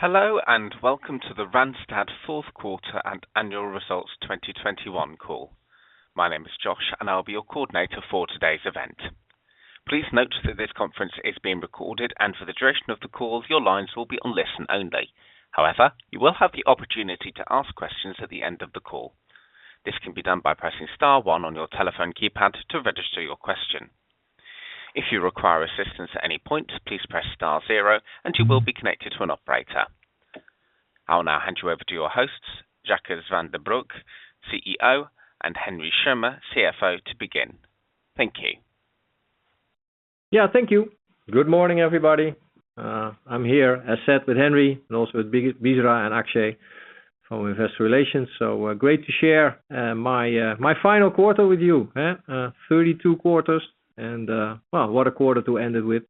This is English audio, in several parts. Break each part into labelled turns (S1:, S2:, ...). S1: Hello and welcome to the Randstad Q4 and annual results 2021 call. My name is Josh, and I'll be your coordinator for today's event. Please note that this conference is being recorded and for the duration of the call, your lines will be on listen only. However, you will have the opportunity to ask questions at the end of the call. This can be done by pressing star one on your telephone keypad to register your question. If you require assistance at any point, please press star zero and you will be connected to an operator. I'll now hand you over to your hosts, Jacques van den Broek, CEO, and Henry Schirmer, CFO, to begin. Thank you.
S2: Yeah, thank you. Good morning, everybody. I'm here, as said, with Henry, and also with Bisra and Akshay from Investor Relations. Great to share my final quarter with you. Thirty-two quarters and, well, what a quarter to end it with.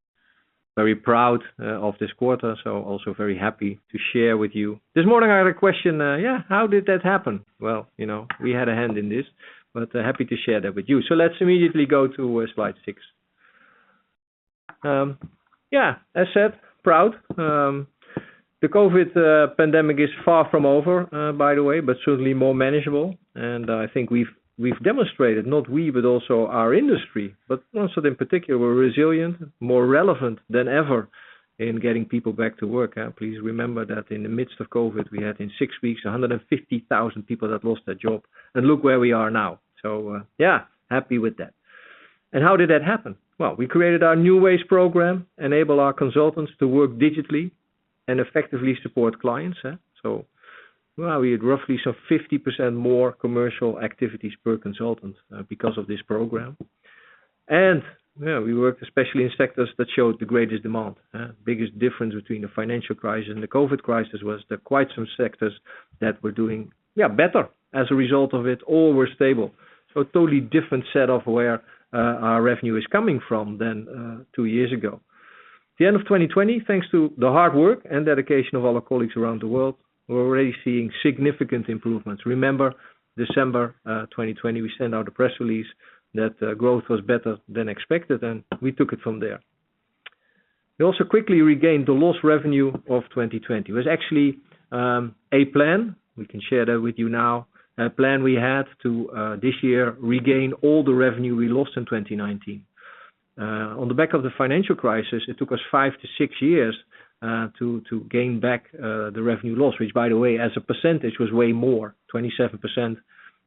S2: Very proud of this quarter, so also very happy to share with you. This morning I had a question, how did that happen? Well, you know, we had a hand in this, but happy to share that with you. Let's immediately go to slide six. As said, proud. The COVID pandemic is far from over, by the way, but certainly more manageable. I think we've demonstrated, not we, but also our industry, but also in particular, we're resilient, more relevant than ever in getting people back to work. Please remember that in the midst of COVID, we had in six weeks, 150,000 people that lost their job, and look where we are now. Yeah, happy with that. How did that happen? We created our New Ways program to enable our consultants to work digitally and effectively support clients. We roughly saw 50% more commercial activities per consultant because of this program. Yeah, we worked especially in sectors that showed the greatest demand. Biggest difference between the financial crisis and the COVID crisis was that quite some sectors that were doing better as a result of it or were stable. Totally different set of where our revenue is coming from than two years ago. The end of 2020, thanks to the hard work and dedication of all our colleagues around the world, we're already seeing significant improvements. Remember, December 2020, we sent out a press release that growth was better than expected, and we took it from there. We also quickly regained the lost revenue of 2020. It was actually a plan. We can share that with you now. A plan we had to this year regain all the revenue we lost in 2019. On the back of the financial crisis, it took us 5-6 years to gain back the revenue loss, which by the way, as a percentage was way more, 27%.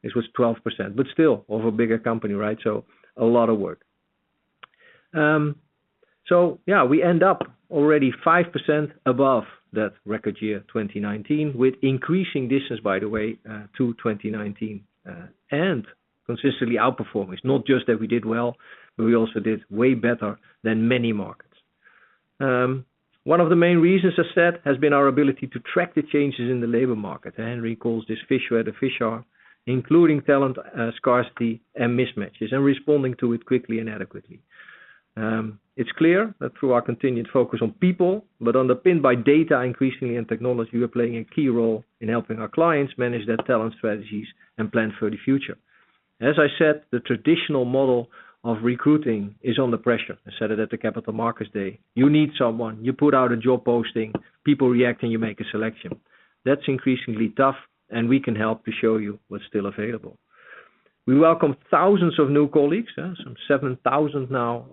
S2: This was 12%, but still of a bigger company, right? A lot of work. Yeah, we end up already 5% above that record year, 2019, with increasing distance, by the way, to 2019, and consistently outperforming. It's not just that we did well, but we also did way better than many markets. One of the main reasons, as said, has been our ability to track the changes in the labor market. Henry calls this fish where the fish are, including talent scarcity and mismatches, and responding to it quickly and adequately. It's clear that through our continued focus on people, but underpinned by data increasingly and technology, we're playing a key role in helping our clients manage their talent strategies and plan for the future. As I said, the traditional model of recruiting is under pressure. I said it at the Capital Markets Day. You need someone, you put out a job posting, people react, and you make a selection. That's increasingly tough, and we can help to show you what's still available. We welcome thousands of new colleagues, some 7,000 now,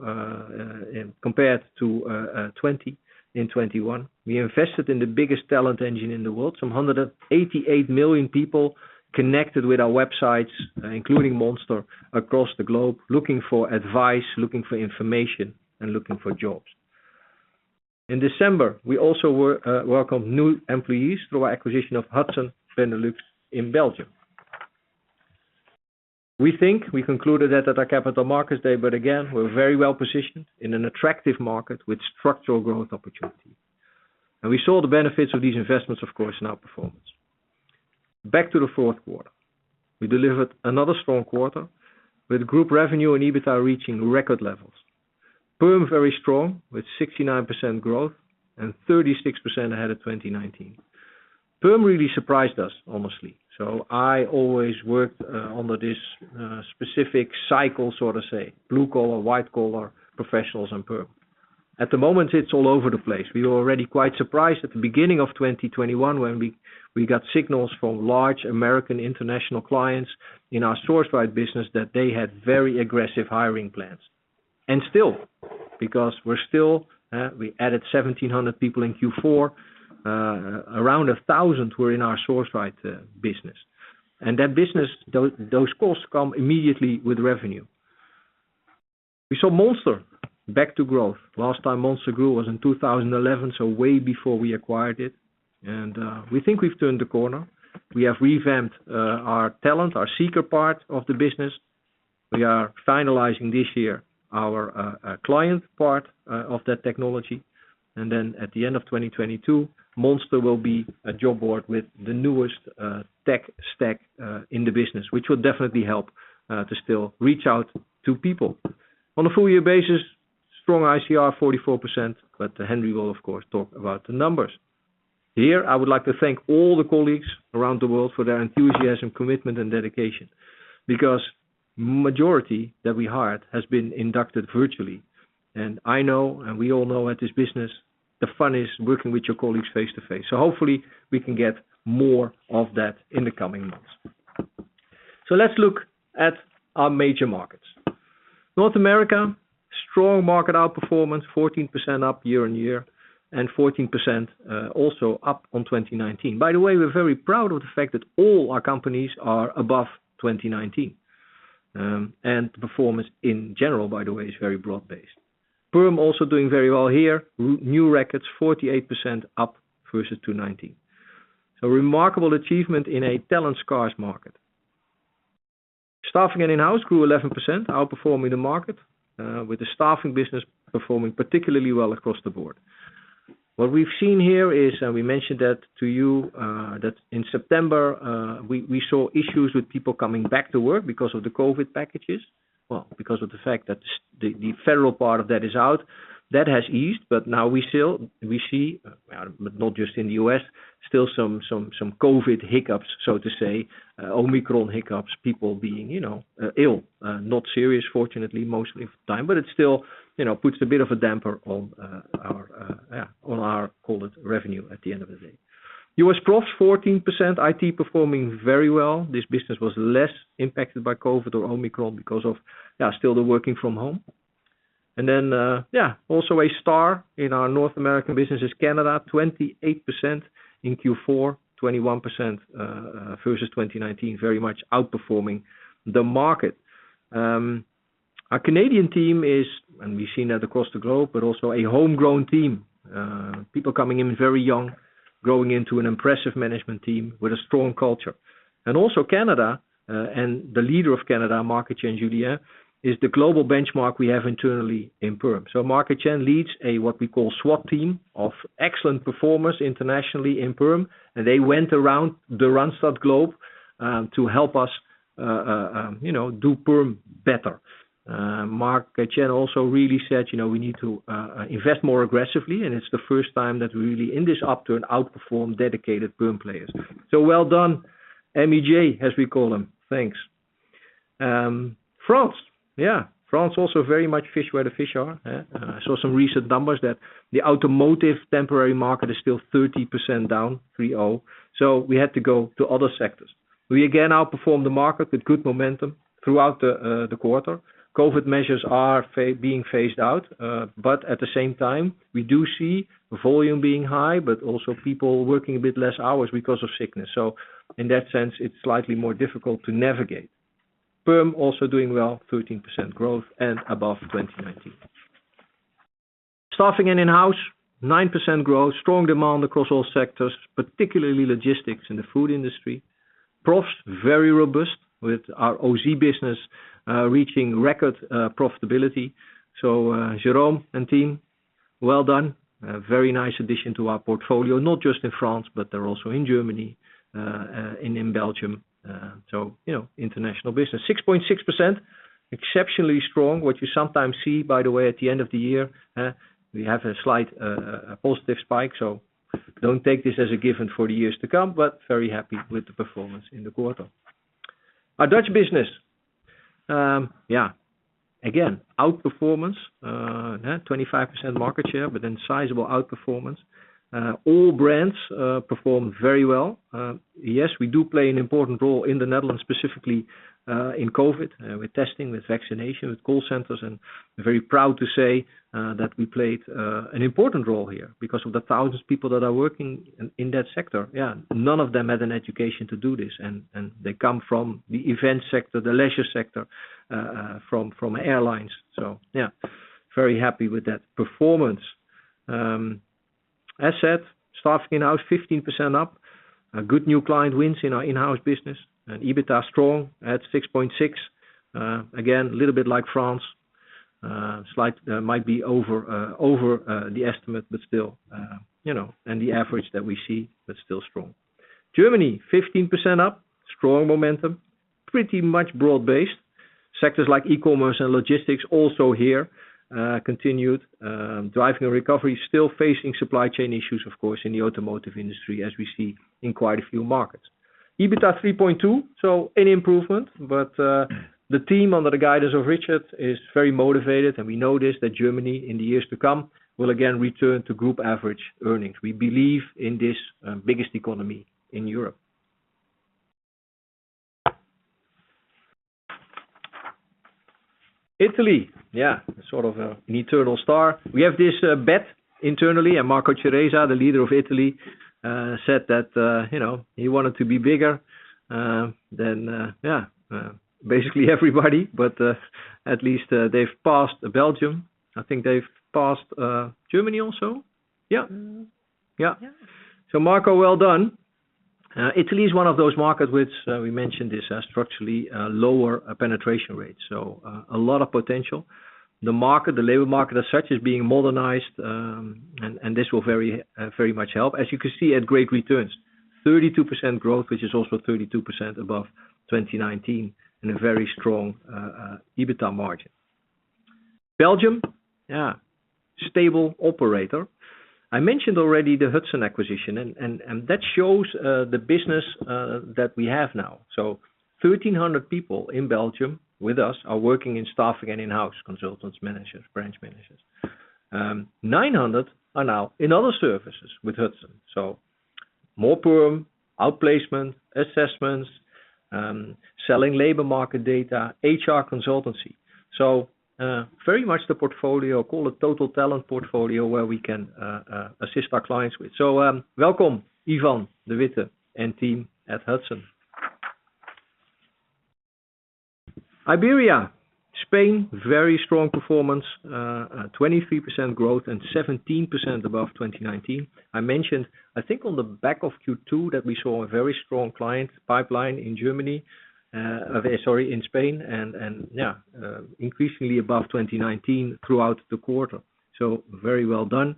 S2: compared to 20 in 2021. We invested in the biggest talent engine in the world, some 188 million people connected with our websites, including Monster across the globe, looking for advice, looking for information, and looking for jobs. In December, we also welcomed new employees through our acquisition of Hudson Benelux in Belgium. We think we concluded that at our Capital Markets Day, but again, we're very well-positioned in an attractive market with structural growth opportunity. We saw the benefits of these investments, of course, in our performance. Back to the fourth quarter. We delivered another strong quarter with group revenue and EBITDA reaching record levels. PERM, very strong with 69% growth and 36% ahead of 2019. PERM really surprised us, honestly. I always worked under this specific cycle, so to say, blue collar, white collar, professionals and PERM. At the moment, it's all over the place. We were already quite surprised at the beginning of 2021 when we got signals from large American international clients in our Sourceright business that they had very aggressive hiring plans. Still, because we're still, we added 1,700 people in Q4, around 1,000 were in our Sourceright business. That business, those costs come immediately with revenue. We saw Monster back to growth. Last time Monster grew was in 2011, so way before we acquired it. We think we've turned the corner. We have revamped our talent, our seeker part of the business. We are finalizing this year our client part of that technology. Then at the end of 2022, Monster will be a job board with the newest tech stack in the business, which will definitely help to still reach out to people. On a full year basis, strong ICR 44%, but Henry will of course talk about the numbers. Here, I would like to thank all the colleagues around the world for their enthusiasm, commitment and dedication. Because the majority that we hired has been inducted virtually. I know, and we all know at this business, the fun is working with your colleagues face-to-face. Hopefully we can get more of that in the coming months. Let's look at our major markets. North America, strong market outperformance, 14% up year-on-year and 14% also up on 2019. By the way, we're very proud of the fact that all our companies are above 2019. Performance in general, by the way, is very broad-based. Perm also doing very well here. New records 48% up versus 2019. A remarkable achievement in a talent-scarce market. Staffing and in-house grew 11%, outperforming the market, with the staffing business performing particularly well across the board. What we've seen here is, we mentioned that to you, that in September, we saw issues with people coming back to work because of the COVID packages. Well, because of the fact that the federal part of that is out, that has eased. Now we see, not just in the U.S., still some COVID hiccups, so to say, Omicron hiccups, people being, you know, ill, not serious, fortunately, most of the time. It still, you know, puts a bit of a damper on our, call it, revenue at the end of the day. U.S. Prof 14%, IT performing very well. This business was less impacted by COVID or Omicron because of still the working from home. Then also a star in our North American business is Canada, 28% in Q4, 21% versus 2019, very much outperforming the market. Our Canadian team is, and we've seen that across the globe, but also a homegrown team, people coming in very young, growing into an impressive management team with a strong culture. Canada, and the leader of Canada, Marc-Etienne Julien, is the global benchmark we have internally in Perm. Marc-Etienne Julien leads what we call SWAT team of excellent performers internationally in Perm. They went around the Randstad globe, to help us, you know, do Perm better. Marc-Etienne Julien also really said, "You know, we need to invest more aggressively," and it's the first time that we really in this upturn, outperform dedicated Perm players. Well done, MEJ, as we call them. Thanks. France. Yeah, France also very much fish where the fish are. I saw some recent numbers that the automotive temporary market is still 30% down, 30. We had to go to other sectors. We again outperform the market with good momentum throughout the quarter. COVID measures are being phased out, but at the same time, we do see volume being high, but also people working a bit less hours because of sickness. In that sense, it's slightly more difficult to navigate. Perm also doing well, 13% growth and above 2019. Staffing and in-house, 9% growth, strong demand across all sectors, particularly logistics in the food industry. Professionals, very robust with our OZ business, reaching record profitability. Jérôme and team, well done. A very nice addition to our portfolio, not just in France, but they're also in Germany, in Belgium. You know, international business. 6.6%, exceptionally strong. What you sometimes see, by the way, at the end of the year, we have a slight positive spike. Don't take this as a given for the years to come, but very happy with the performance in the quarter. Our Dutch business, again, outperformance, 25% market share, but then sizable outperformance. All brands perform very well. Yes, we do play an important role in the Netherlands, specifically, in COVID, with testing, with vaccination, with call centers. We're very proud to say that we played an important role here because of the thousands of people that are working in that sector. None of them had an education to do this, and they come from the event sector, the leisure sector, from airlines. Very happy with that performance. As said, staffing out 15% up. A good new client wins in our in-house business. EBITDA strong at 6.6%. Again, a little bit like France, slightly over the estimate, but still, you know, and the average that we see, but still strong. Germany, 15% up, strong momentum, pretty much broad-based. Sectors like e-commerce and logistics also here continued driving a recovery, still facing supply chain issues, of course, in the automotive industry, as we see in quite a few markets. EBITDA 3.2%, so an improvement. The team under the guidance of Richard is very motivated, and we know this, that Germany in the years to come will again return to group average earnings. We believe in this, biggest economy in Europe. Italy, yeah, sort of an eternal star. We have this bet internally, and Marco Ceresa, the leader of Italy, said that, you know, he wanted to be bigger than yeah basically everybody. At least they've passed Belgium. I think they've passed Germany also. Yeah.
S3: Mm-hmm.
S2: Yeah.
S3: Yeah.
S2: Marco, well done. Italy is one of those markets which we mentioned this structurally lower penetration rate. A lot of potential. The market, the labor market as such, is being modernized, and this will very much help. As you can see, at great returns, 32% growth, which is also 32% above 2019 in a very strong EBITDA margin. Belgium, yeah, stable operator. I mentioned already the Hudson acquisition and that shows the business that we have now. 1,300 people in Belgium with us are working in staffing and in-house consultants, managers, branch managers. 900 are now in other services with Hudson. More perm, outplacement, assessments, selling labor market data, HR consultancy. Very much the portfolio, call it total talent portfolio, where we can assist our clients with. Welcome, Ivan De Witte and team at Hudson. Iberia, Spain, very strong performance, 23% growth and 17% above 2019. I mentioned, I think on the back of Q2, that we saw a very strong client pipeline in Spain and increasingly above 2019 throughout the quarter. Very well done.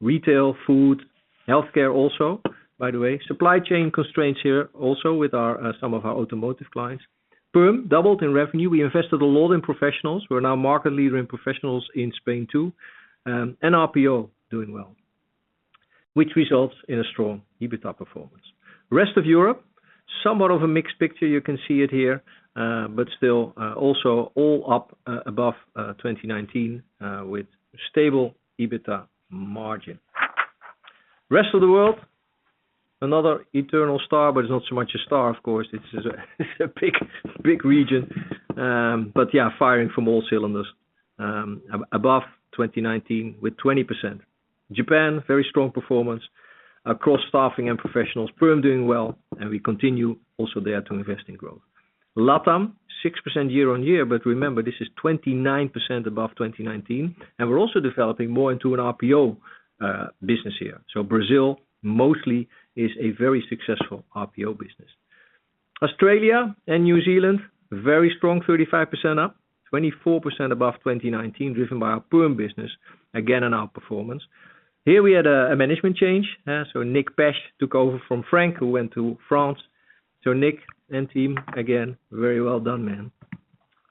S2: Retail, food, healthcare also, by the way. Supply chain constraints here also with some of our automotive clients. Perm doubled in revenue. We invested a lot in professionals. We're now market leader in professionals in Spain too. RPO doing well, which results in a strong EBITDA performance. Rest of Europe, somewhat of a mixed picture. You can see it here, but still, also all up above 2019 with stable EBITDA margin. Rest of the world, another stellar, but it's not so much a star, of course. It's just a big region. Firing on all cylinders above 2019 with 20%. Japan, very strong performance across staffing and professionals. Perm doing well, and we continue also there to invest in growth. LATAM, 6% year-on-year, but remember, this is 29% above 2019, and we're also developing more into an RPO business here. So Brazil mostly is a very successful RPO business. Australia and New Zealand, very strong, 35% up, 24% above 2019, driven by our perm business, again, in our performance. Here we had a management change. Nick Pesch took over from Frank, who went to France. Nick and team, again, very well done, man.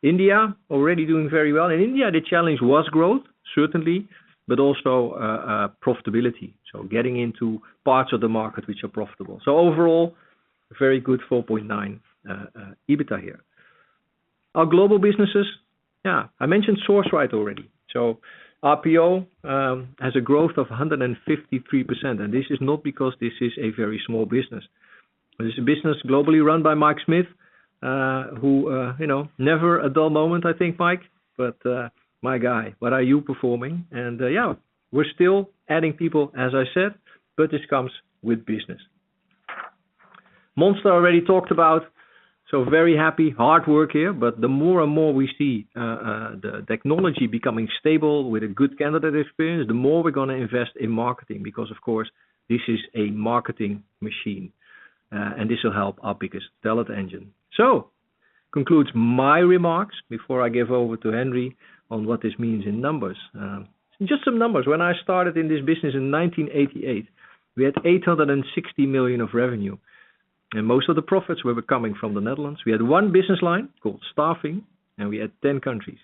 S2: India, already doing very well. In India, the challenge was growth, certainly, but also profitability, so getting into parts of the market which are profitable. Overall, very good 4.9% EBITDA here. Our global businesses, yeah, I mentioned Sourceright already. RPO has a growth of 153%, and this is not because this is a very small business. This is a business globally run by Mike Smith, who you know, never a dull moment, I think, Mike. My guy, what are you performing? Yeah, we're still adding people, as I said, but this comes with business. Monster, I already talked about. Very happy, hard work here, but the more and more we see the technology becoming stable with a good candidate experience, the more we're gonna invest in marketing because, of course, this is a marketing machine. And this will help our biggest talent engine. Concludes my remarks before I give over to Henry on what this means in numbers. Just some numbers. When I started in this business in 1988, we had 860 million of revenue, and most of the profits were coming from the Netherlands. We had one business line called Staffing, and we had 10 countries.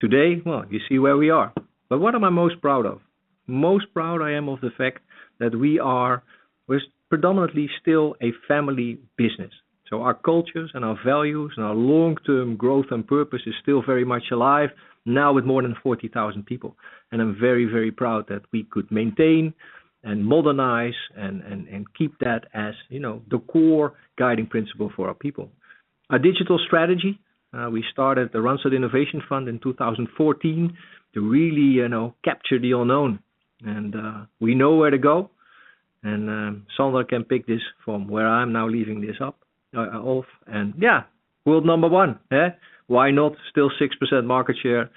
S2: Today, well, you see where we are. But what am I most proud of? Most proud I am of the fact that we're predominantly still a family business. Our cultures and our values and our long-term growth and purpose is still very much alive, now with more than 40,000 people. I'm very, very proud that we could maintain and modernize and keep that as, you know, the core guiding principle for our people. Our digital strategy, we started the Randstad Innovation Fund in 2014 to really, you know, capture the unknown. We know where to go. Sander can pick this from where I'm now leaving off. Yeah, world number one, eh? Why not? Still 6% market share.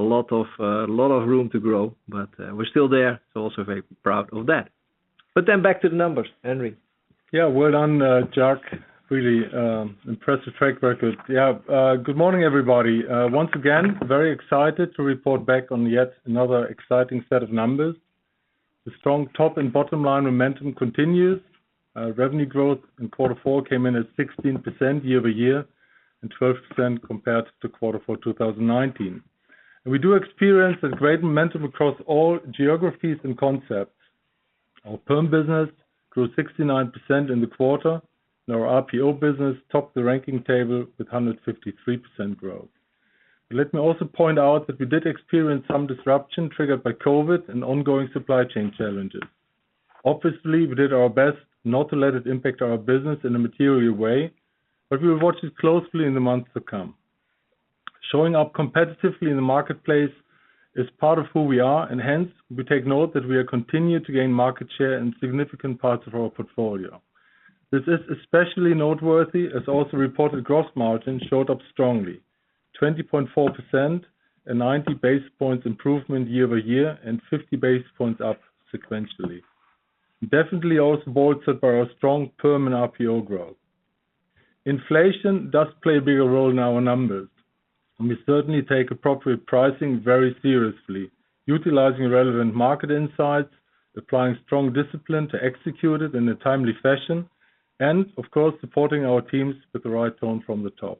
S2: A lot of room to grow, but we're still there, so also very proud of that. Then back to the numbers, Henry.
S4: Yeah, well done, Jacques. Really, impressive track record. Yeah, good morning, everybody. Once again, very excited to report back on yet another exciting set of numbers. The strong top and bottom line momentum continues. Revenue growth in quarter four came in at 16% year-over-year and 12% compared to quarter four 2019. We do experience a great momentum across all geographies and concepts. Our perm business grew 69% in the quarter, and our RPO business topped the ranking table with 153% growth. Let me also point out that we did experience some disruption triggered by COVID and ongoing supply chain challenges. Obviously, we did our best not to let it impact our business in a material way, but we will watch it closely in the months to come. Showing up competitively in the marketplace is part of who we are, and hence, we take note that we are continuing to gain market share in significant parts of our portfolio. This is especially noteworthy as also reported gross margin showed up strongly, 20.4% and 90 basis points improvement year-over-year and 50 basis points up sequentially. Definitely also bolstered by our strong perm and RPO growth. Inflation does play a bigger role in our numbers, and we certainly take appropriate pricing very seriously, utilizing relevant market insights, applying strong discipline to execute it in a timely fashion. Of course, supporting our teams with the right tone from the top.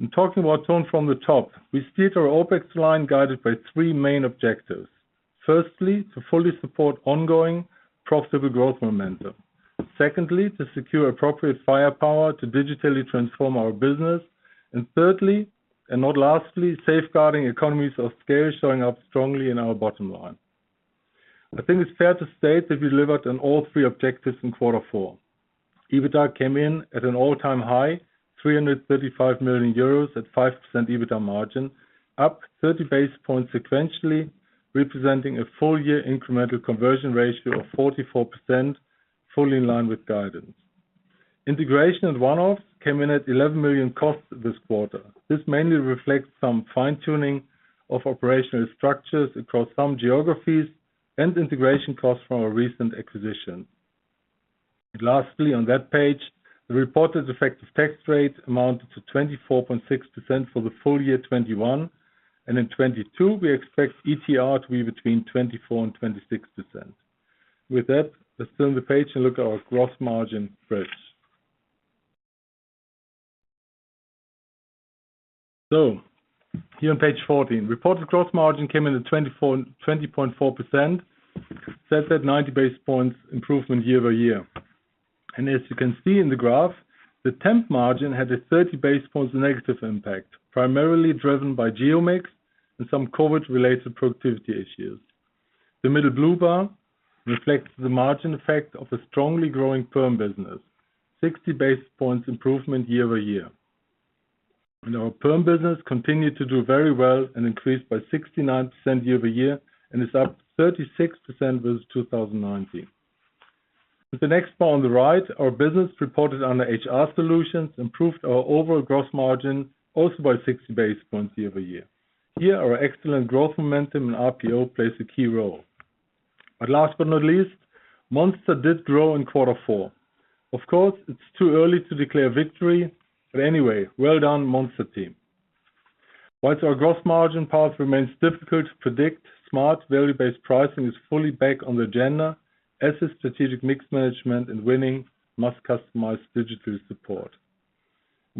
S4: In talking about tone from the top, we steered our OpEx line guided by three main objectives. Firstly, to fully support ongoing profitable growth momentum. Secondly, to secure appropriate firepower to digitally transform our business. Thirdly, and not lastly, safeguarding economies of scale, showing up strongly in our bottom line. I think it's fair to state that we delivered on all three objectives in quarter four. EBITDA came in at an all-time high, 335 million euros at 5% EBITDA margin, up 30 basis points sequentially, representing a full year incremental conversion ratio of 44%, fully in line with guidance. Integration and one-offs came in at 11 million costs this quarter. This mainly reflects some fine-tuning of operational structures across some geographies and integration costs from our recent acquisition. Lastly, on that page, the reported effective tax rate amounted to 24.6% for the full year 2021. In 2022, we expect ETR to be between 24% to 26%. With that, let's turn the page and look at our gross margin bridge. Here on page fourteen. Reported gross margin came in at 20.4%. That's a 90 basis points improvement year-over-year. As you can see in the graph, the temp margin had a 30 basis points negative impact, primarily driven by geo mix and some COVID-related productivity issues. The middle blue bar reflects the margin effect of a strongly growing perm business, 60 basis points improvement year-over-year. Our perm business continued to do very well and increased by 69% year-over-year and is up 36% versus 2019. With the next bar on the right, our business reported under HR solutions improved our overall gross margin also by 60 basis points year-over-year. Here, our excellent growth momentum in RPO plays a key role. Last but not least, Monster did grow in quarter four. Of course, it's too early to declare victory, but anyway, well done, Monster team. While our gross margin path remains difficult to predict, smart value-based pricing is fully back on the agenda as is strategic mix management and winning must customize digital support.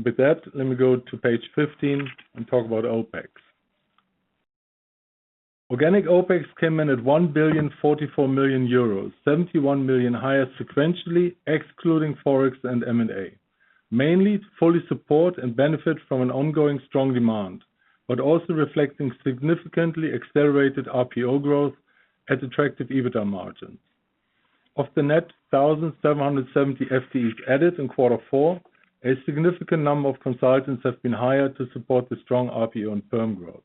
S4: With that, let me go to page 15 and talk about OpEx. Organic OpEx came in at 1,044 million euros, 71 million higher sequentially, excluding Forex and M&A. Mainly to fully support and benefit from an ongoing strong demand, but also reflecting significantly accelerated RPO growth at attractive EBITDA margins. Of the net 1,770 FTEs added in quarter four, a significant number of consultants have been hired to support the strong RPO and perm growth.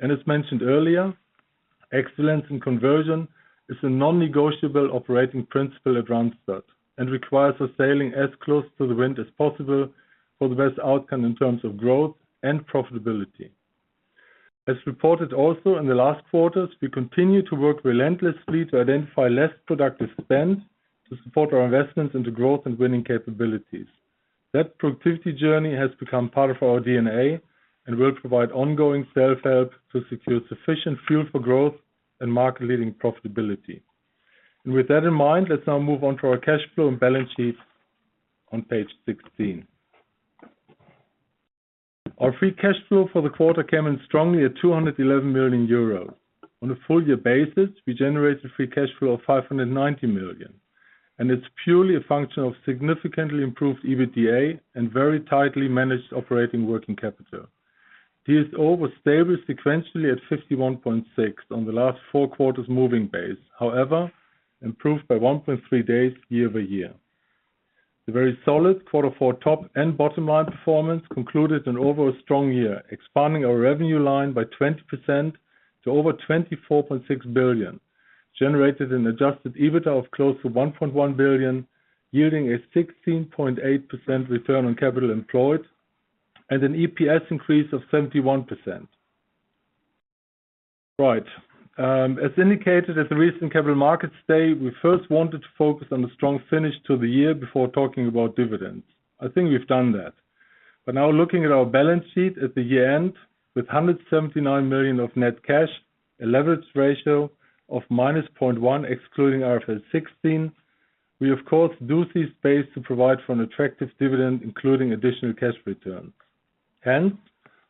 S4: As mentioned earlier, excellence in conversion is a non-negotiable operating principle at Randstad and requires us sailing as close to the wind as possible for the best outcome in terms of growth and profitability. As reported also in the last quarters, we continue to work relentlessly to identify less productive spend to support our investments into growth and winning capabilities. That productivity journey has become part of our DNA and will provide ongoing self-help to secure sufficient fuel for growth and market-leading profitability. With that in mind, let's now move on to our cash flow and balance sheet on page 16. Our free cash flow for the quarter came in strongly at 211 million euros. On a full year basis, we generated free cash flow of 590 million, and it's purely a function of significantly improved EBITDA and very tightly managed operating working capital. DSO was stable sequentially at 51.6 on the last four quarters moving base, however, improved by 1.3 days year-over-year. The very solid quarter four top and bottom line performance concluded an overall strong year, expanding our revenue line by 20% to over 24.6 billion, generated an adjusted EBITDA of close to 1.1 billion, yielding a 16.8% return on capital employed and an EPS increase of 71%. Right. As indicated at the recent Capital Markets Day, we first wanted to focus on the strong finish to the year before talking about dividends. I think we've done that. Now looking at our balance sheet at the year-end with 179 million of net cash, a leverage ratio of -0.1, excluding IFRS 16, we of course do see space to provide for an attractive dividend, including additional cash return. Hence,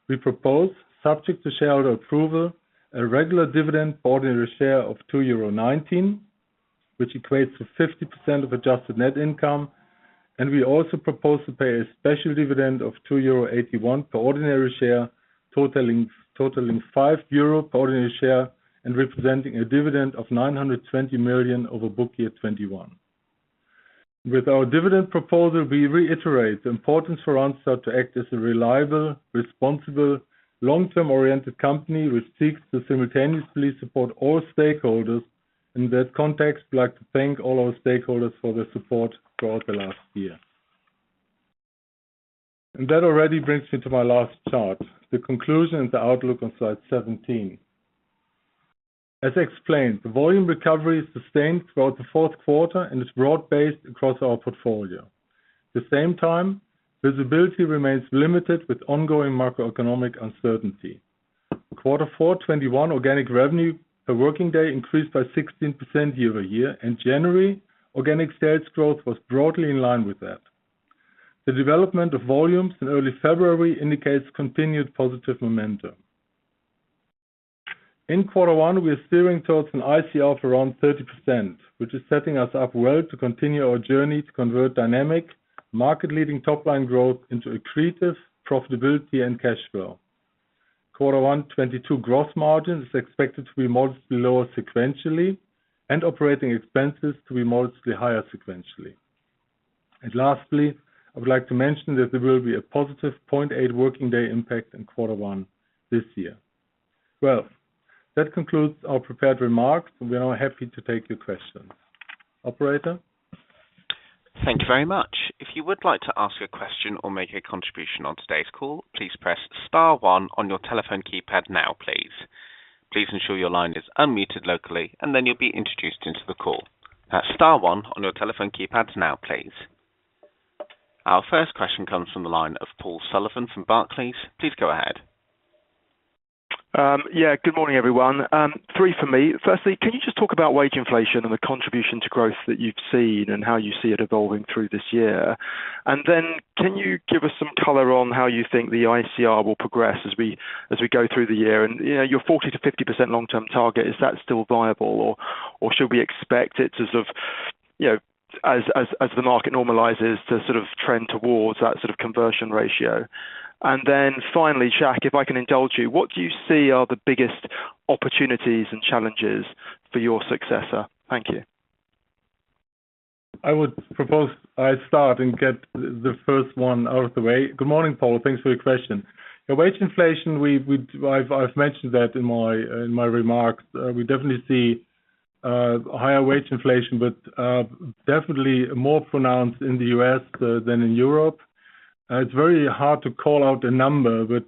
S4: we propose, subject to shareholder approval, a regular dividend per ordinary share of €2.19, which equates to 50% of adjusted net income. We also propose to pay a special dividend of €2.81 per ordinary share, totaling €5 per ordinary share and representing a dividend of 920 million for book year 2021. With our dividend proposal, we reiterate the importance for Randstad to act as a reliable, responsible, long-term oriented company which seeks to simultaneously support all stakeholders. In that context, we'd like to thank all our stakeholders for their support throughout the last year. That already brings me to my last chart, the conclusion and the outlook on slide 17. As explained, the volume recovery is sustained throughout the fourth quarter and is broad-based across our portfolio. At the same time, visibility remains limited with ongoing macroeconomic uncertainty. Q4 2021 organic revenue per working day increased by 16% year-over-year. In January, organic sales growth was broadly in line with that. The development of volumes in early February indicates continued positive momentum. In quarter one, we are steering towards an ICR of around 30%, which is setting us up well to continue our journey to convert dynamic market-leading top line growth into accretive profitability and cash flow. Q1 2022 gross margin is expected to be modestly lower sequentially and operating expenses to be modestly higher sequentially. Lastly, I would like to mention that there will be a positive 0.8 working day impact in quarter one this year. Well, that concludes our prepared remarks. We are now happy to take your questions. Operator?
S1: Thank you very much. If you would like to ask a question or make a contribution on today's call, please press star one on your telephone keypad now, please. Please ensure your line is unmuted locally and then you'll be introduced into the call. Star one on your telephone keypads now, please. Our first question comes from the line of Paul Sullivan from Barclays. Please go ahead.
S5: Yeah, good morning, everyone. Three for me. Firstly, can you just talk about wage inflation and the contribution to growth that you've seen and how you see it evolving through this year. Then can you give us some color on how you think the ICR will progress as we go through the year? You know, your 40%-50% long-term target, is that still viable or should we expect it to sort of, you know, as the market normalizes to sort of trend towards that sort of conversion ratio? Finally, Jacques, if I can indulge you, what do you see are the biggest opportunities and challenges for your successor? Thank you.
S4: I would propose I start and get the first one out of the way. Good morning, Paul. Thanks for your question. The wage inflation, I've mentioned that in my remarks. We definitely see higher wage inflation, but definitely more pronounced in the U.S. than in Europe. It's very hard to call out a number, but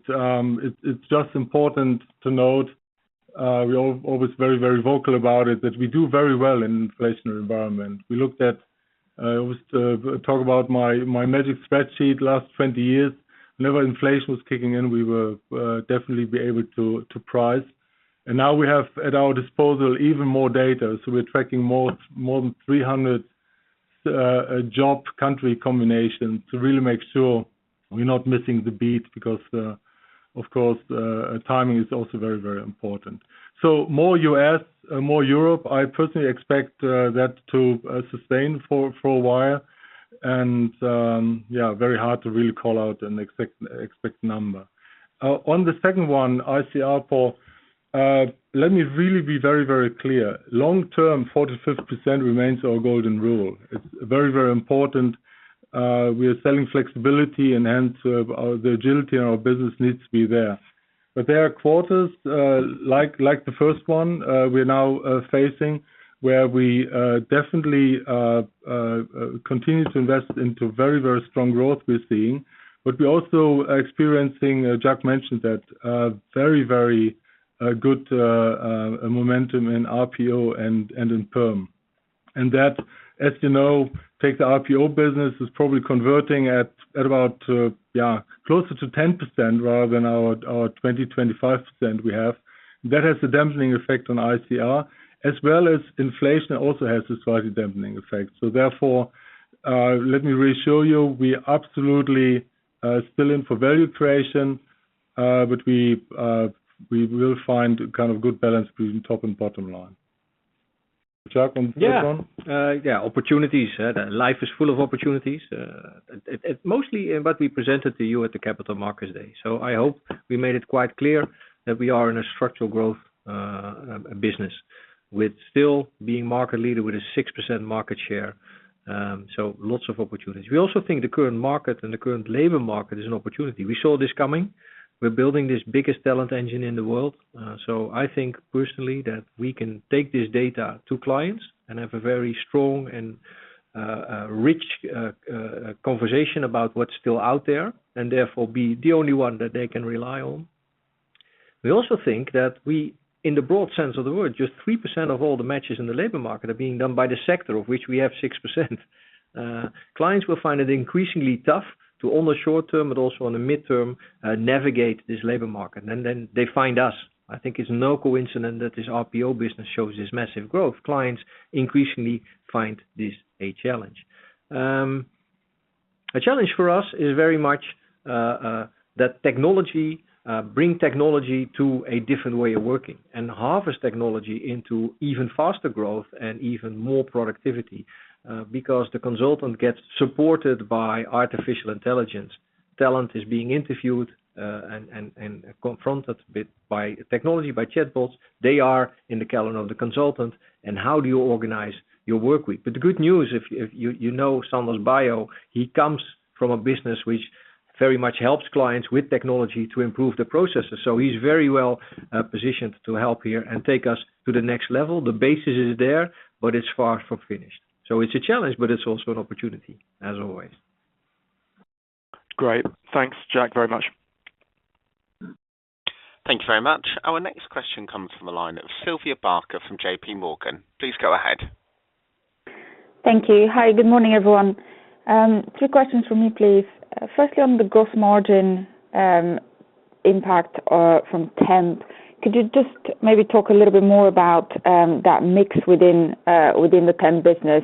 S4: it's just important to note we are always very, very vocal about it, that we do very well in inflationary environment. We looked at what I was to talk about, my magic spreadsheet last 20 years. Whenever inflation was kicking in, we were definitely able to price. Now we have at our disposal even more data. We're tracking more than 300 job country combinations to really make sure we're not missing the beat because, of course, timing is also very important. More U.S., more Europe. I personally expect that to sustain for a while. Very hard to really call out an expected number. On the second one, ICR, Paul, let me really be very clear. Long-term, 40%-50% remains our golden rule. It's very important. We are selling flexibility and hence, the agility in our business needs to be there. There are quarters like the first one we're now facing, where we definitely continue to invest into very strong growth we're seeing. We're also experiencing, Jacques mentioned that, a very good momentum in RPO and in perm. That, as you know, the RPO business is probably converting at about closer to 10% rather than our 25% we have. That has a dampening effect on ICR as well as inflation also has a slightly dampening effect. Let me reassure you, we are absolutely still in for value creation, but we will find kind of good balance between top and bottom line. Jacques.
S2: Yeah, opportunities. Life is full of opportunities. Mostly in what we presented to you at the Capital Markets Day. I hope we made it quite clear that we are in a structural growth business with still being market leader with a 6% market share. Lots of opportunities. We also think the current market and the current labor market is an opportunity. We saw this coming. We're building this biggest talent engine in the world. I think personally that we can take this data to clients and have a very strong and rich conversation about what's still out there, and therefore be the only one that they can rely on. We also think that we, in the broad sense of the word, just 3% of all the matches in the labor market are being done by the sector of which we have 6%. Clients will find it increasingly tough to on the short term, but also on the midterm, navigate this labor market. Then they find us. I think it's no coincidence that this RPO business shows this massive growth. Clients increasingly find this a challenge. A challenge for us is very much that technology bring technology to a different way of working and harvest technology into even faster growth and even more productivity because the consultant gets supported by artificial intelligence. Talent is being interviewed and confronted with by technology, by chatbots. They are in the calendar of the consultant and how do you organize your work week? The good news, if you know Sander's bio, he comes from a business which very much helps clients with technology to improve the processes. He's very well positioned to help here and take us to the next level. The basis is there, but it's far from finished. It's a challenge, but it's also an opportunity as always.
S5: Great. Thanks, Jacques, very much.
S1: Thank you very much. Our next question comes from the line of Suhasini Varanasi from J.P. Morgan. Please go ahead.
S3: Thank you. Hi, good morning, everyone. Two questions for me, please. Firstly, on the gross margin impact from temp. Could you just maybe talk a little bit more about that mix within the temp business?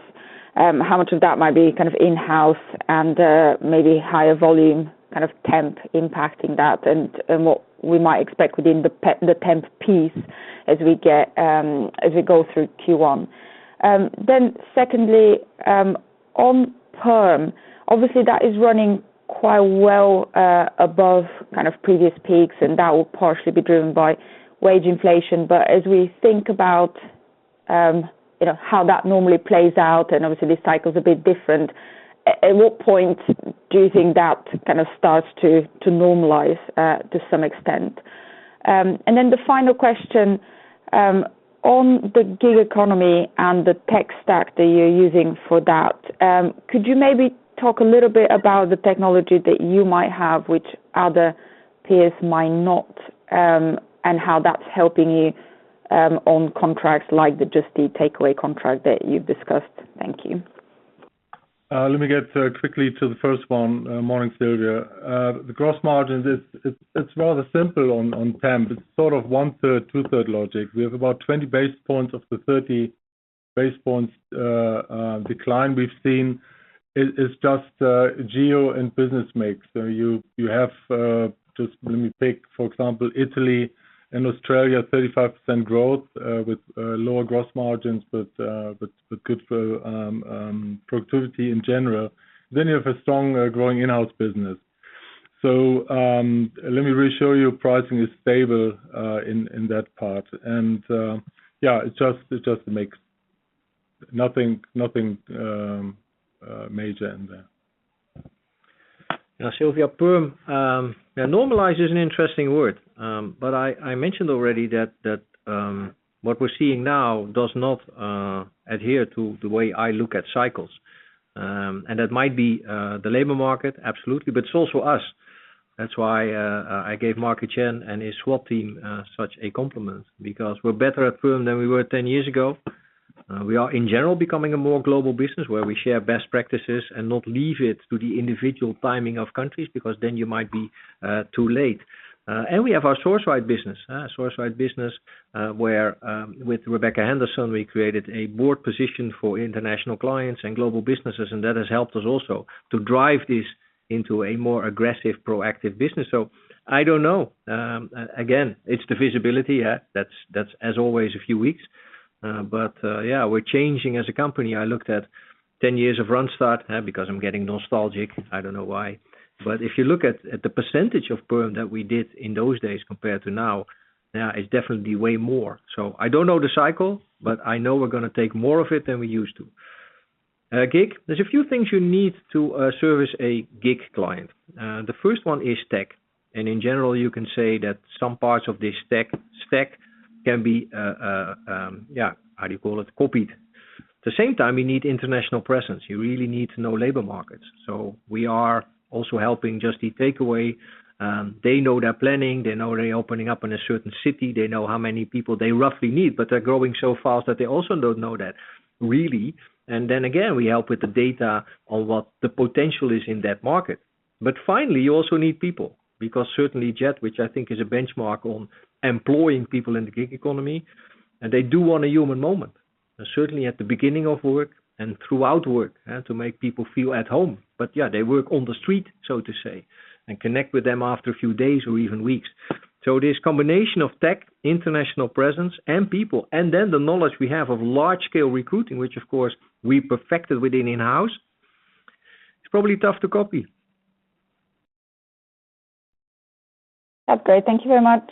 S3: How much of that might be kind of in-house and maybe higher volume kind of temp impacting that and what we might expect within the temp piece as we go through Q1? Secondly, on perm, obviously, that is running quite well above kind of previous peaks, and that will partially be driven by wage inflation. As we think about you know, how that normally plays out, and obviously, this cycle is a bit different, at what point do you think that kind of starts to normalize to some extent? The final question, on the gig economy and the tech stack that you're using for that, could you maybe talk a little bit about the technology that you might have which other peers might not, and how that's helping you, on contracts like the Just Eat Takeaway.com contract that you've discussed? Thank you.
S4: Let me get quickly to the first one. Morning, Suhasini. The gross margins, it's rather simple on temp. It's sort of one-third, two-thirds logic. We have about 20 basis points of the 30 basis points decline we've seen is just geo and business mix. You have just let me take, for example, Italy and Australia, 35% growth with lower gross margins, but good for productivity in general. You have a strong growing in-house business. Let me reassure you, pricing is stable in that part. Yeah, it just makes nothing major in there.
S2: Now, Silvia, perm, yeah, normalize is an interesting word. I mentioned already that what we're seeing now does not adhere to the way I look at cycles. That might be the labor market, absolutely, but it's also us. That's why I gave Marc-Etienne Julien and his SWAT team such a compliment because we're better at perm than we were 10 years ago. We are, in general, becoming a more global business where we share best practices and not leave it to the individual timing of countries because then you might be too late. We have our Sourceright business, where, with Rebecca Henderson, we created a board position for international clients and global businesses, and that has helped us also to drive this into a more aggressive, proactive business. I don't know. It's the visibility, yeah, that's as always, a few weeks. We're changing as a company. I looked at 10 years of Randstad, because I'm getting nostalgic. I don't know why. If you look at the percentage of perm that we did in those days compared to now, yeah, it's definitely way more. I don't know the cycle, but I know we're gonna take more of it than we used to. Gig, there's a few things you need to service a gig client. The first one is tech, and in general, you can say that some parts of this tech stack can be copied. At the same time, you need international presence. You really need to know labor markets. We are also helping Just Eat Takeaway.com. They know their planning, they know they're opening up in a certain city, they know how many people they roughly need, but they're growing so fast that they also don't know that, really. We help with the data on what the potential is in that market. Finally, you also need people, because certainly Jet, which I think is a benchmark on employing people in the gig economy, and they do want a human moment, certainly at the beginning of work and throughout work, to make people feel at home. Yeah, they work on the street, so to say, and connect with them after a few days or even weeks. This combination of tech, international presence, and people, and then the knowledge we have of large scale recruiting, which of course we perfected within in-house, it's probably tough to copy.
S3: That's great. Thank you very much.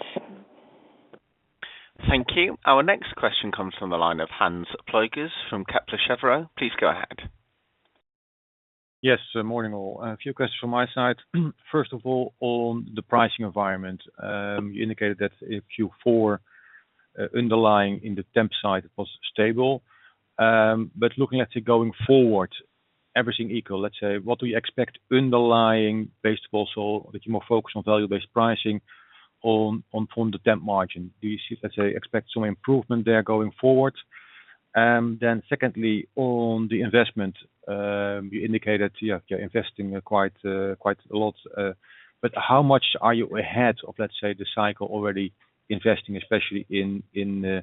S1: Thank you. Our next question comes from the line of Hans Pluijgers from Kepler Cheuvreux. Please go ahead.
S6: Yes. Morning, all. A few questions from my side. First of all, on the pricing environment, you indicated that in Q4, underlying in the temp side was stable. Looking at it going forward, everything equal, let's say, what do you expect underlying based also, with you more focused on value-based pricing on the temp margin? Do you see, let's say, expect some improvement there going forward? Secondly, on the investment, you indicated, yeah, you're investing quite a lot, but how much are you ahead of, let's say, the cycle already investing, especially in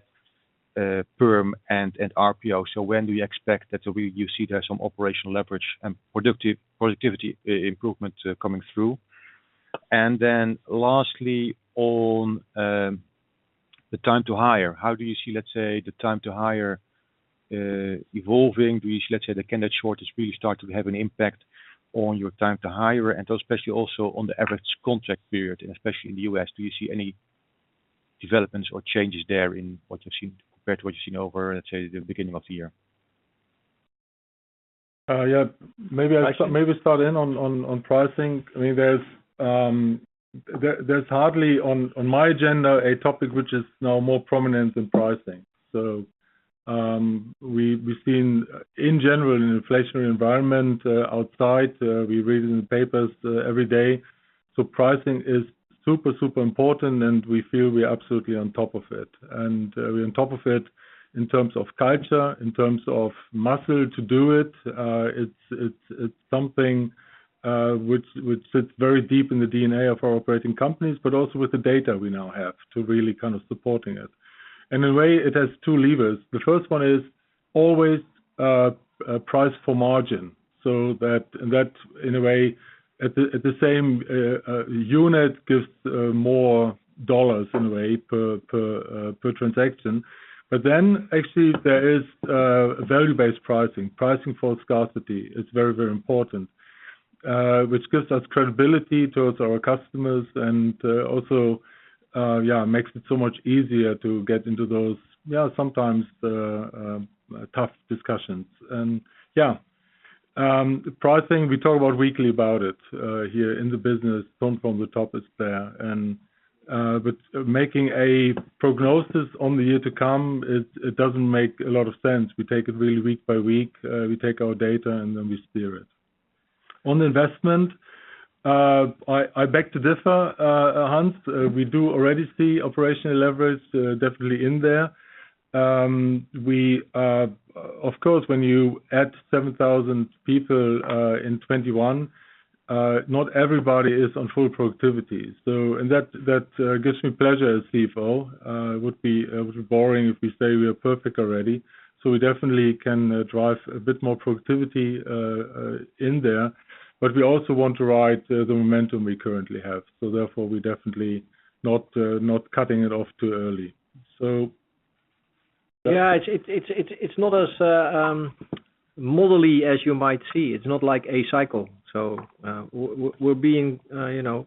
S6: perm and RPO? When do you expect that you see there some operational leverage and productivity improvement coming through? Then lastly, on the time to hire, how do you see, let's say, the time to hire evolving? Do you see, let's say, the candidate shortage really start to have an impact on your time to hire? Especially also on the average contract period, and especially in the U.S., do you see any developments or changes there in what you've seen compared to what you've seen over, let's say, the beginning of the year?
S4: May we start in on pricing? I mean, there's hardly a topic on my agenda which is now more prominent than pricing. We've seen in general an inflationary environment outside. We read it in the papers every day. Pricing is super important, and we feel we are absolutely on top of it. We're on top of it in terms of culture, in terms of muscle to do it. It's something which sits very deep in the DNA of our operating companies, but also with the data we now have to really kind of support it. In a way, it has two levers. The first one is always pricing for margin, so that in a way at the same unit gives more dollars in a way per transaction. But then actually there is value-based pricing. Pricing for scarcity is very important, which gives us credibility towards our customers and also makes it so much easier to get into those sometimes tough discussions. Pricing we talk about weekly about it here in the business. Tone from the top is there and but making a prognosis on the year to come, it doesn't make a lot of sense. We take it really week by week. We take our data and then we steer it. On investment, I beg to differ, Hans. We do already see operational leverage, definitely in there. We of course, when you add 7,000 people in 2021, not everybody is on full productivity. That gives me pleasure as CFO. It would be boring if we say we are perfect already. We definitely can drive a bit more productivity in there, but we also want to ride the momentum we currently have. Therefore, we definitely not cutting it off too early.
S2: Yeah. It's not as modelly as you might see. It's not like a cycle. We're being you know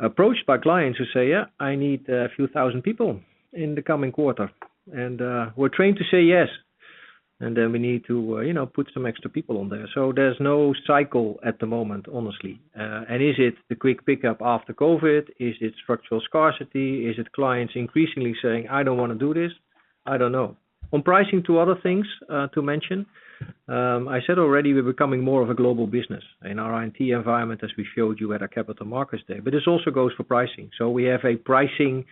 S2: approached by clients who say, "Yeah, I need a few thousand people in the coming quarter." We're trained to say yes, and then we need to you know put some extra people on there. There's no cycle at the moment, honestly. Is it the quick pickup after COVID? Is it structural scarcity? Is it clients increasingly saying, "I don't wanna do this"? I don't know. On pricing, two other things to mention. I said already we're becoming more of a global business in our IT environment, as we showed you at our Capital Markets Day. This also goes for pricing. We have a pricing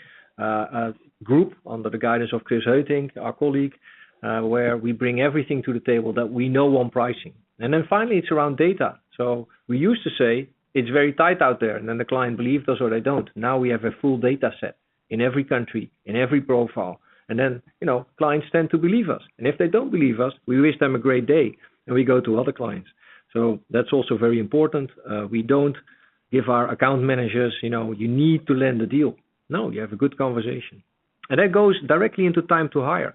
S2: group under the guidance of Chris Heutink, our colleague, where we bring everything to the table that we know on pricing. Finally it's around data. We used to say it's very tight out there, and then the client believed us or they don't. Now we have a full data set in every country, in every profile. You know, clients tend to believe us. And if they don't believe us, we wish them a great day, and we go to other clients. That's also very important. We don't give our account managers, you know, "You need to land the deal." No, you have a good conversation. That goes directly into time to hire.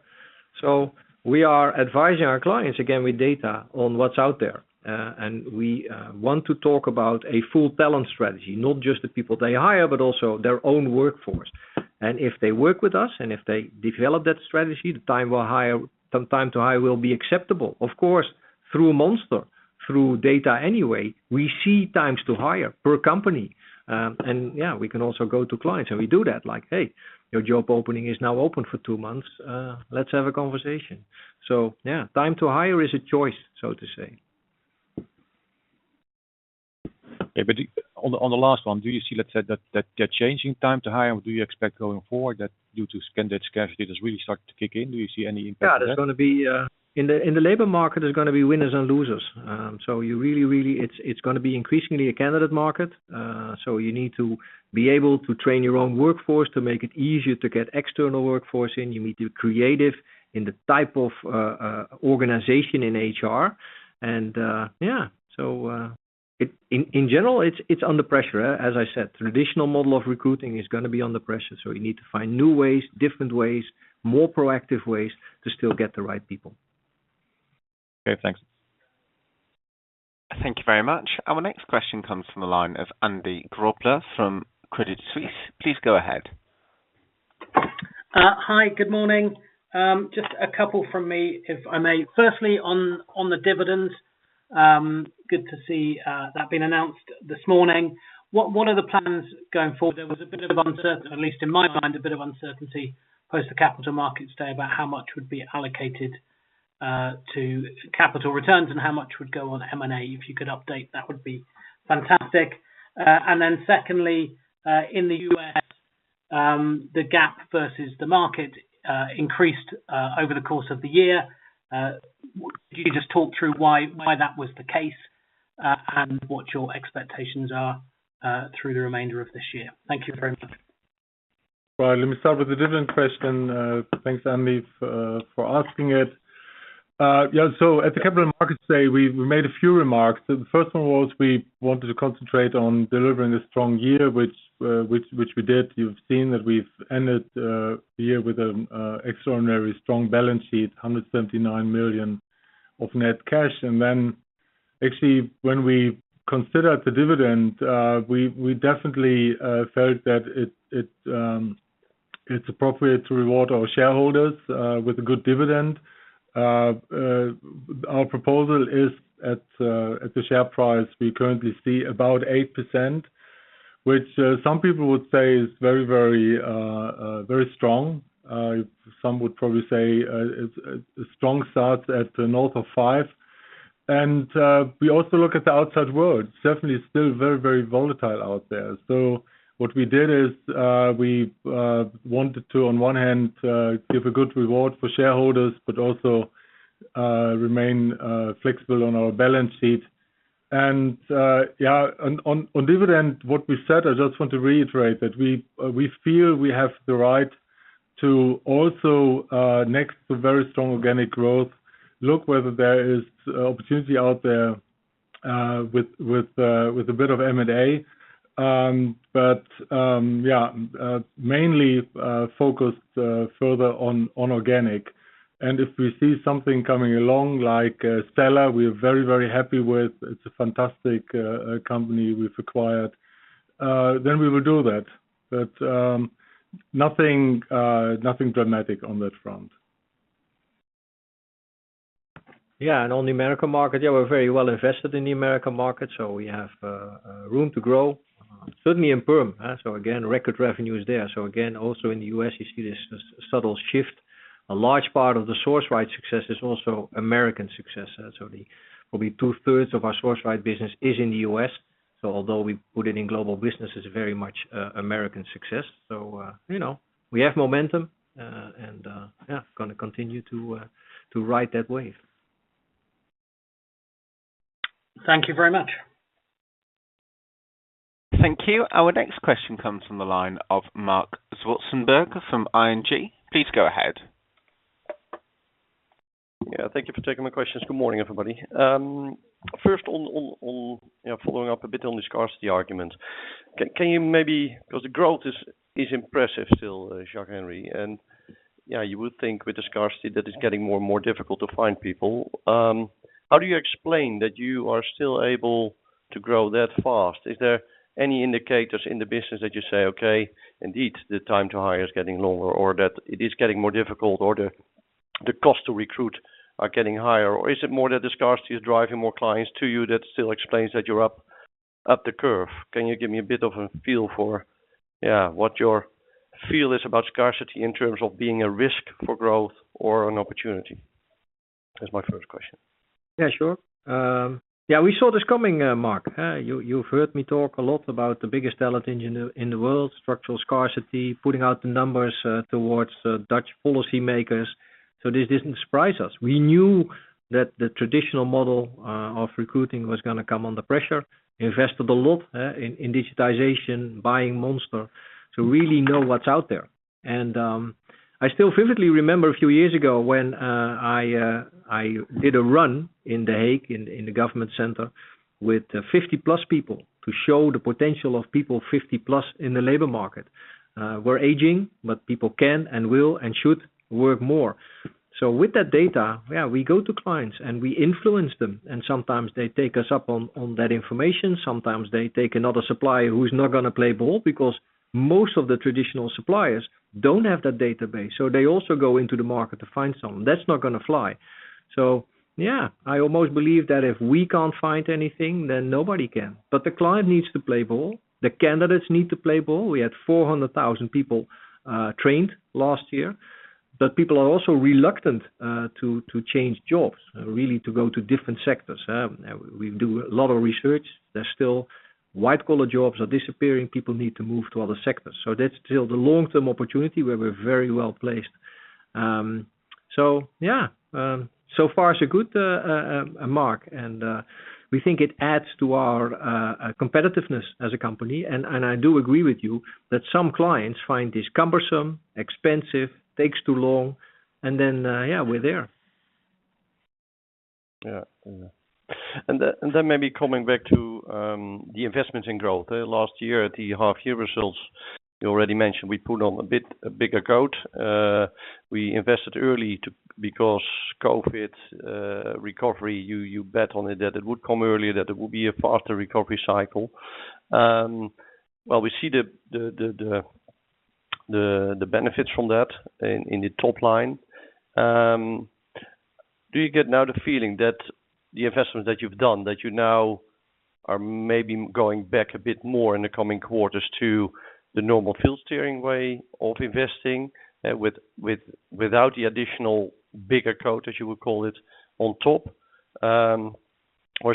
S2: We are advising our clients, again with data, on what's out there. We want to talk about a full talent strategy, not just the people they hire, but also their own workforce. If they work with us and if they develop that strategy, the time to hire will be acceptable. Of course, through Monster, through data anyway, we see times to hire per company. We can also go to clients, and we do that. Like, "Hey, your job opening is now open for two months. Let's have a conversation." Time to hire is a choice, so to say.
S6: Yeah. On the last one, do you see, let's say that changing time to hire, do you expect going forward that due to candidate scarcity, that's really starting to kick in? Do you see any impact to that?
S2: Yeah. There's gonna be, in the labor market, winners and losers. It's gonna be increasingly a candidate market. You need to be able to train your own workforce to make it easier to get external workforce in. You need to be creative in the type of organization in HR. In general, it's under pressure. As I said, traditional model of recruiting is gonna be under pressure. You need to find new ways, different ways, more proactive ways to still get the right people.
S6: Okay. Thanks.
S1: Thank you very much. Our next question comes from the line of Andy Grobler from Credit Suisse. Please go ahead.
S7: Hi. Good morning. Just a couple from me, if I may. Firstly, on the dividends, good to see that being announced this morning. What are the plans going forward? There was a bit of uncertainty, at least in my mind, a bit of uncertainty post the Capital Markets Day about how much would be allocated to capital returns and how much would go on M&A. If you could update, that would be fantastic. And then secondly, in the U.S., the gap versus the market increased over the course of the year. Could you just talk through why that was the case and what your expectations are through the remainder of this year? Thank you very much. Well, let me start with the dividend question. Thanks, Andy, for asking it. Yeah.
S4: At the Capital Markets Day, we made a few remarks. The first one was we wanted to concentrate on delivering a strong year, which we did. You've seen that we've ended the year with extraordinary strong balance sheet, 179 million of net cash. Then actually when we considered the dividend, we definitely felt that it's appropriate to reward our shareholders with a good dividend. Our proposal is at the share price we currently see about 8%. Which some people would say is very strong. Some would probably say it's a strong start north of 5%. We also look at the outside world. It's definitely still very volatile out there. What we did is, we wanted to, on one hand, give a good reward for shareholders, but also remain flexible on our balance sheet. On dividend, what we said, I just want to reiterate that we feel we have the right to also, next to very strong organic growth, look whether there is opportunity out there with a bit of M&A, but mainly focused further on organic. If we see something coming along like Cella, we're very happy with it. It's a fantastic company we've acquired, then we will do that. Nothing dramatic on that front.
S2: On the American market, we're very well invested in the American market, so we have room to grow. Certainly in Perm. So again, record revenue is there. So again, also in the U.S., you see this subtle shift. A large part of the Sourceright success is also American success. So probably two-thirds of our Sourceright business is in the U.S. So although we put it in global business, it's very much American success. So you know, we have momentum and gonna continue to ride that wave.
S7: Thank you very much.
S1: Thank you. Our next question comes from the line of Marc Zwartsenburg from ING. Please go ahead.
S8: Yeah, thank you for taking my questions. Good morning, everybody. First on, you know, following up a bit on the scarcity argument. Can you maybe because the growth is impressive still, Jacques, Henry, and yeah you would think with the scarcity that it's getting more and more difficult to find people. How do you explain that you are still able to grow that fast? Is there any indicators in the business that you say, "Okay, indeed, the time to hire is getting longer," or that it is getting more difficult or the cost to recruit are getting higher? Or is it more that the scarcity is driving more clients to you that still explains that you're up the curve? Can you give me a bit of a feel for, yeah, what your feel is about scarcity in terms of being a risk for growth or an opportunity? That's my first question.
S2: Yeah, sure. Yeah, we saw this coming, Marc. You've heard me talk a lot about the biggest talent engine in the world, structural scarcity, putting out the numbers towards Dutch policymakers. This didn't surprise us. We knew that the traditional model of recruiting was gonna come under pressure. Invested a lot in digitization, buying Monster to really know what's out there. I still vividly remember a few years ago when I did a run in The Hague, in the government center with 50-plus people to show the potential of people 50-plus in the labor market. We're aging, but people can and will and should work more. With that data, yeah, we go to clients, and we influence them, and sometimes they take us up on that information. Sometimes they take another supplier who's not gonna play ball because most of the traditional suppliers don't have that database, so they also go into the market to find someone. That's not gonna fly. Yeah, I almost believe that if we can't find anything, then nobody can. The client needs to play ball. The candidates need to play ball. We had 400,000 people trained last year. People are also reluctant to change jobs, really to go to different sectors. We do a lot of research. There's still white-collar jobs are disappearing. People need to move to other sectors. That's still the long-term opportunity where we're very well placed. Yeah, so far so good, Marc, and we think it adds to our competitiveness as a company. I do agree with you that some clients find this cumbersome, expensive, takes too long, and yeah, we're there.
S8: Yeah. Maybe coming back to the investments in growth. Last year at the half year results, you already mentioned we put on a bit bigger coat. We invested early because COVID recovery, you bet on it that it would come earlier, that it would be a faster recovery cycle. Well, we see the benefits from that in the top line. Do you get now the feeling that the investments that you've done, that you now are maybe going back a bit more in the coming quarters to the normal field steering way of investing, with without the additional bigger coat, as you would call it, on top?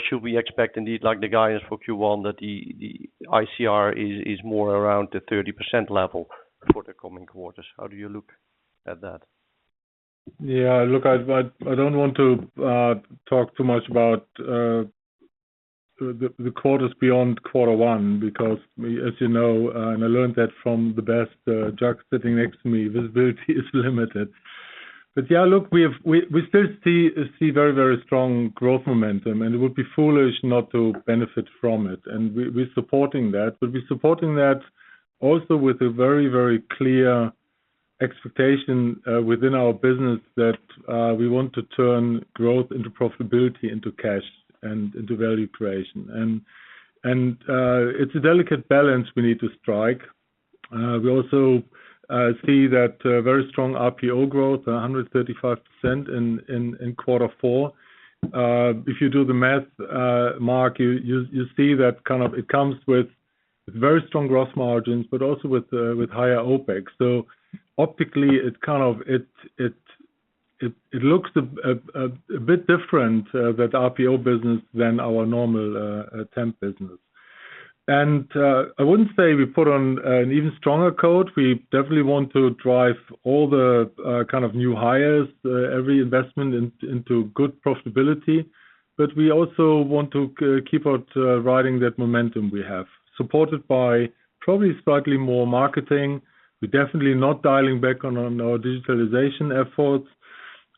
S8: should we expect indeed, like the guidance for Q1, that the ICR is more around the 30% level for the coming quarters? How do you look at that?
S4: Yeah. Look, I don't want to talk too much about the quarters beyond quarter one because as you know, and I learned that from the best, Jacques sitting next to me, visibility is limited. Yeah, look, we still see very, very strong growth momentum, and it would be foolish not to benefit from it, and we're supporting that. We're supporting that also with a very clear expectation within our business that we want to turn growth into profitability, into cash and into value creation. It's a delicate balance we need to strike. We also see that very strong RPO growth, 135% in quarter four. If you do the math, Marc, you see that kind of it comes with very strong growth margins, but also with higher OpEx. Optically it's kind of, it looks a bit different, that RPO business than our normal temp business. I wouldn't say we put on an even stronger focus. We definitely want to drive all the kind of new hires, every investment into good profitability. We also want to keep riding that momentum we have, supported by probably slightly more marketing. We're definitely not dialing back on our digitalization efforts.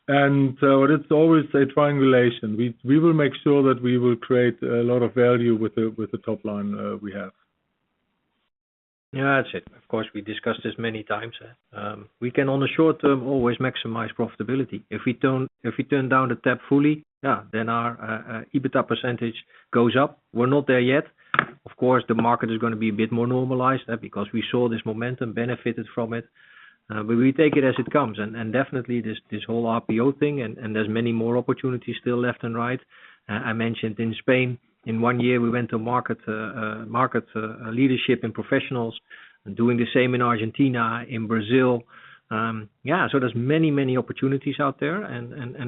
S4: What I'd always say triangulation. We will make sure that we will create a lot of value with the top line we have.
S2: Yeah, that's it. Of course, we discussed this many times. We can on the short term always maximize profitability. If we turn down the tap fully, yeah, then our EBITDA percentage goes up. We're not there yet. Of course, the market is gonna be a bit more normalized, because we saw this momentum benefited from it. We take it as it comes. Definitely this whole RPO thing, and there's many more opportunities still left and right. I mentioned in Spain, in one year we went to market leadership in professionals doing the same in Argentina, in Brazil. Yeah. There's many opportunities out there.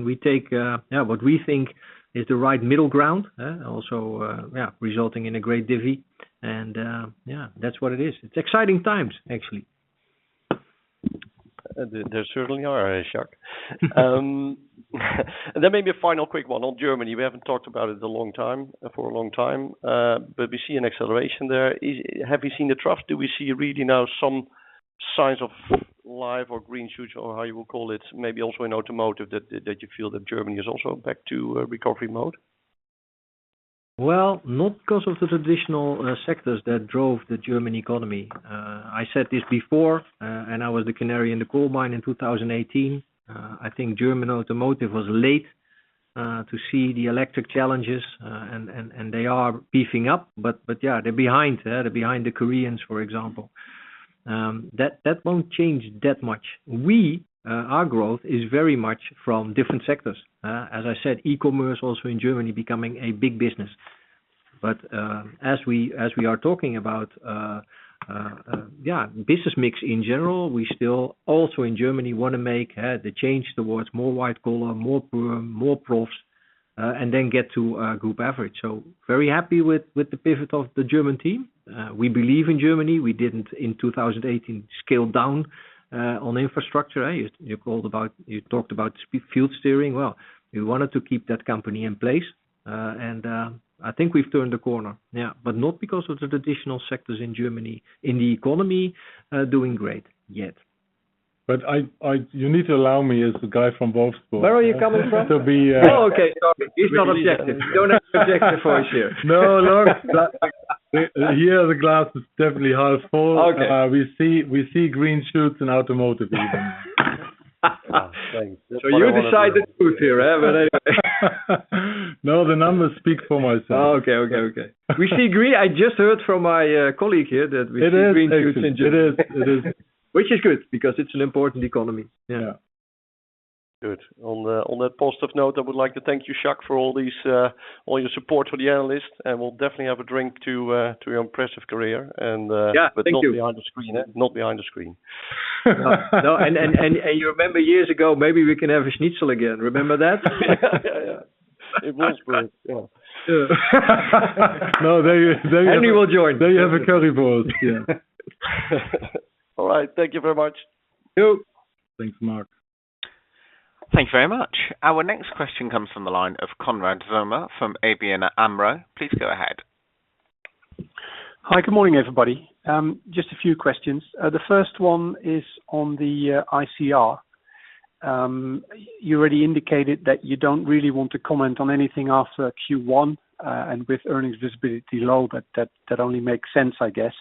S2: We take yeah, what we think is the right middle ground. Also, yeah, resulting in a great dividend. Yeah, that's what it is. It's exciting times, actually.
S8: There certainly are, Jacques. Maybe a final quick one on Germany. We haven't talked about it for a long time, but we see an acceleration there. Have you seen the trough? Do we see really now some signs of life or green shoots or how you will call it, maybe also in automotive that you feel that Germany is also back to recovery mode?
S2: Well, not 'cause of the traditional sectors that drove the German economy. I said this before, and I was the canary in the coal mine in 2018. I think German automotive was late to see the electric challenges. They are beefing up, but yeah, they're behind. They're behind the Koreans, for example. That won't change that much. Our growth is very much from different sectors. As I said, e-commerce also in Germany becoming a big business. As we are talking about, yeah, business mix in general, we still also in Germany wanna make the change towards more white collar, more profs, and then get to a group average. Very happy with the pivot of the German team. We believe in Germany, we didn't in 2018 scale down on infrastructure. You talked about field steering. Well, we wanted to keep that company in place. I think we've turned a corner. Yeah. Not because of the traditional sectors in Germany in the economy doing great yet.
S4: You need to allow me as the guy from Wolfsburg.
S2: Where are you coming from?
S4: To be, uh-
S2: Oh, okay. Sorry. He's not objective. You don't have to project your voice here.
S4: No, look. Here, the glass is definitely half full.
S2: Okay.
S4: We see green shoots in automotive even.
S2: You decide the truth here, huh? Anyway.
S4: No, the numbers speak for themselves.
S2: Oh, okay. We see green. I just heard from my colleague here that we see green shoots in Germany.
S4: It is.
S2: Which is good because it's an important economy.
S4: Yeah.
S8: Good. On that positive note, I would like to thank you, Jacques, for all your support for the analysts, and we'll definitely have a drink to your impressive career and
S2: Yeah. Thank you.
S8: Not behind the screen.
S2: No. You remember years ago, maybe we can have a schnitzel again. Remember that?
S4: Yeah. It was great. Yeah. No, there you have.
S2: Henry will join.
S4: There you have a currywurst. Yeah.
S2: All right. Thank you very much.
S8: You.
S4: Thanks, Marc.
S1: Thank you very much. Our next question comes from the line of Konrad Zomer from ABN AMRO. Please go ahead.
S9: Hi. Good morning, everybody. Just a few questions. The first one is on the ICR. You already indicated that you don't really want to comment on anything after Q1, and with earnings visibility low that only makes sense, I guess.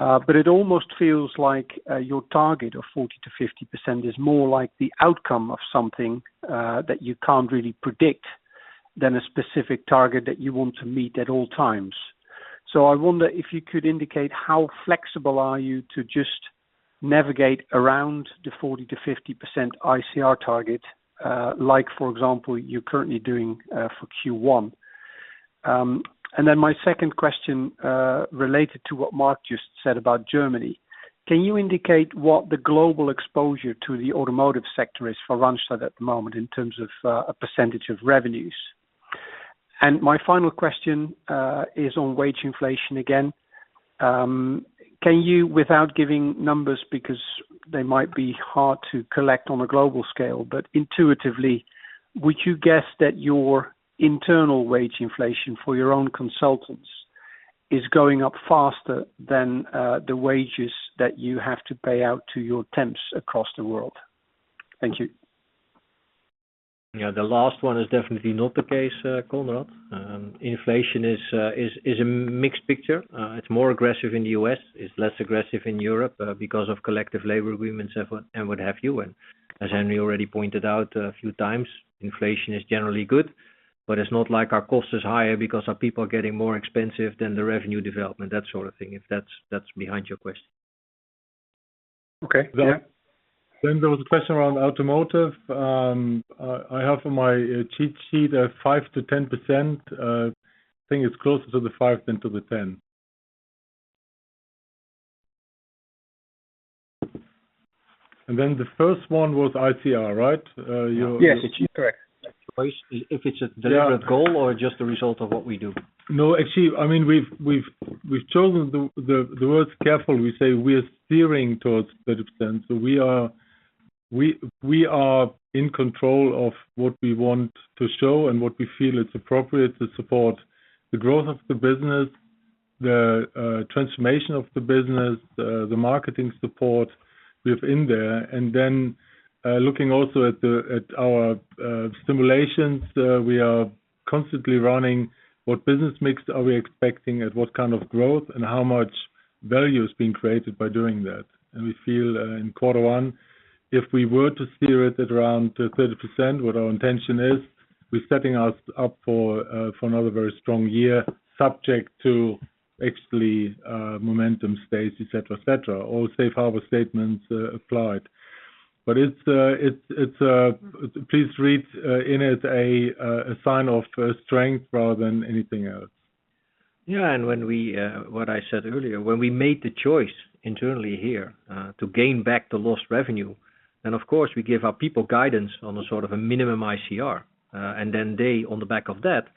S9: It almost feels like your target of 40%-50% is more like the outcome of something that you can't really predict than a specific target that you want to meet at all times. I wonder if you could indicate how flexible are you to just navigate around the 40%-50% ICR target, like for example, you're currently doing for Q1. And then my second question related to what Mark just said about Germany. Can you indicate what the global exposure to the automotive sector is for Randstad at the moment in terms of a percentage of revenues? My final question is on wage inflation again. Can you, without giving numbers, because they might be hard to collect on a global scale, but intuitively, would you guess that your internal wage inflation for your own consultants is going up faster than the wages that you have to pay out to your temps across the world? Thank you.
S2: Yeah. The last one is definitely not the case, Konrad. Inflation is a mixed picture. It's more aggressive in the U.S. It's less aggressive in Europe because of collective labor agreements and what have you. As Henry already pointed out a few times, inflation is generally good. It's not like our cost is higher because our people are getting more expensive than the revenue development, that sort of thing, if that's behind your question.
S9: Okay. Yeah.
S4: There was a question around automotive. I have on my cheat sheet 5%-10%. Think it's closer to the 5 than to the 10. The first one was ICR, right? Your-
S9: Yes, that's correct.
S2: If it's a deliberate goal or just a result of what we do.
S4: No, actually, I mean, we've chosen the words carefully. We say we're steering towards 30%. We are in control of what we want to show and what we feel is appropriate to support the growth of the business, the transformation of the business, the marketing support within there. Then, looking also at our simulations, we are constantly running what business mix are we expecting at what kind of growth and how much value is being created by doing that. We feel in quarter one, if we were to steer it at around 30%, what our intention is, we're setting us up for another very strong year, subject to externally momentum stays, et cetera, et cetera. All safe harbor statements applied. It's a sign of strength rather than anything else.
S2: Yeah. When we made the choice internally here to gain back the lost revenue, then of course, we give our people guidance on a sort of a minimum ICR. Then they, on the back of that,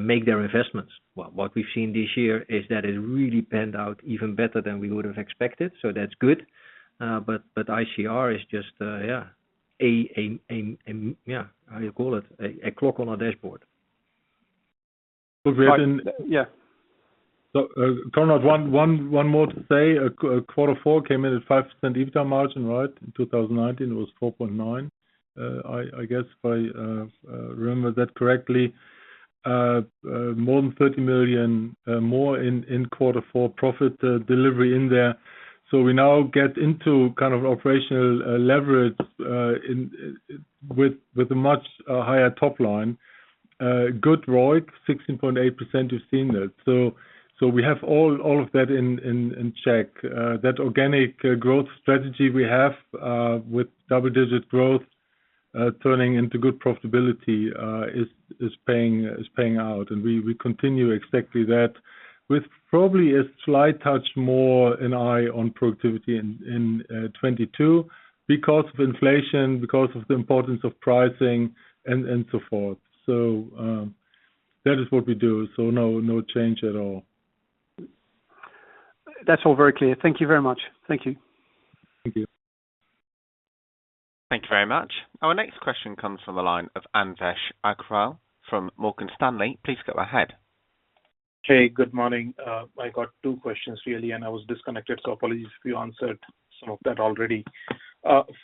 S2: make their investments. What we've seen this year is that it really panned out even better than we would have expected, so that's good. ICR is just how you call it, a clock on a dashboard.
S9: Right. Yeah.
S4: Konrad, one more to say. Quarter four came in at 5% EBITDA margin, right? In 2019 it was 4.9. I guess if I remember that correctly. More than 30 million more in quarter four profit delivery in there. We now get into kind of operational leverage in with a much higher top line. Good ROIC, 16.8%, you've seen that. We have all of that in check. That organic growth strategy we have with double-digit growth turning into good profitability is paying out. We continue exactly that with probably a slight touch more an eye on productivity in 2022 because of inflation, because of the importance of pricing and so forth. That is what we do. No change at all.
S9: That's all very clear. Thank you very much. Thank you.
S4: Thank you.
S1: Thank you very much. Our next question comes from the line of Anvesh Agrawal from Morgan Stanley. Please go ahead.
S10: Hey, good morning. I got two questions really, and I was disconnected, so apologies if you answered some of that already.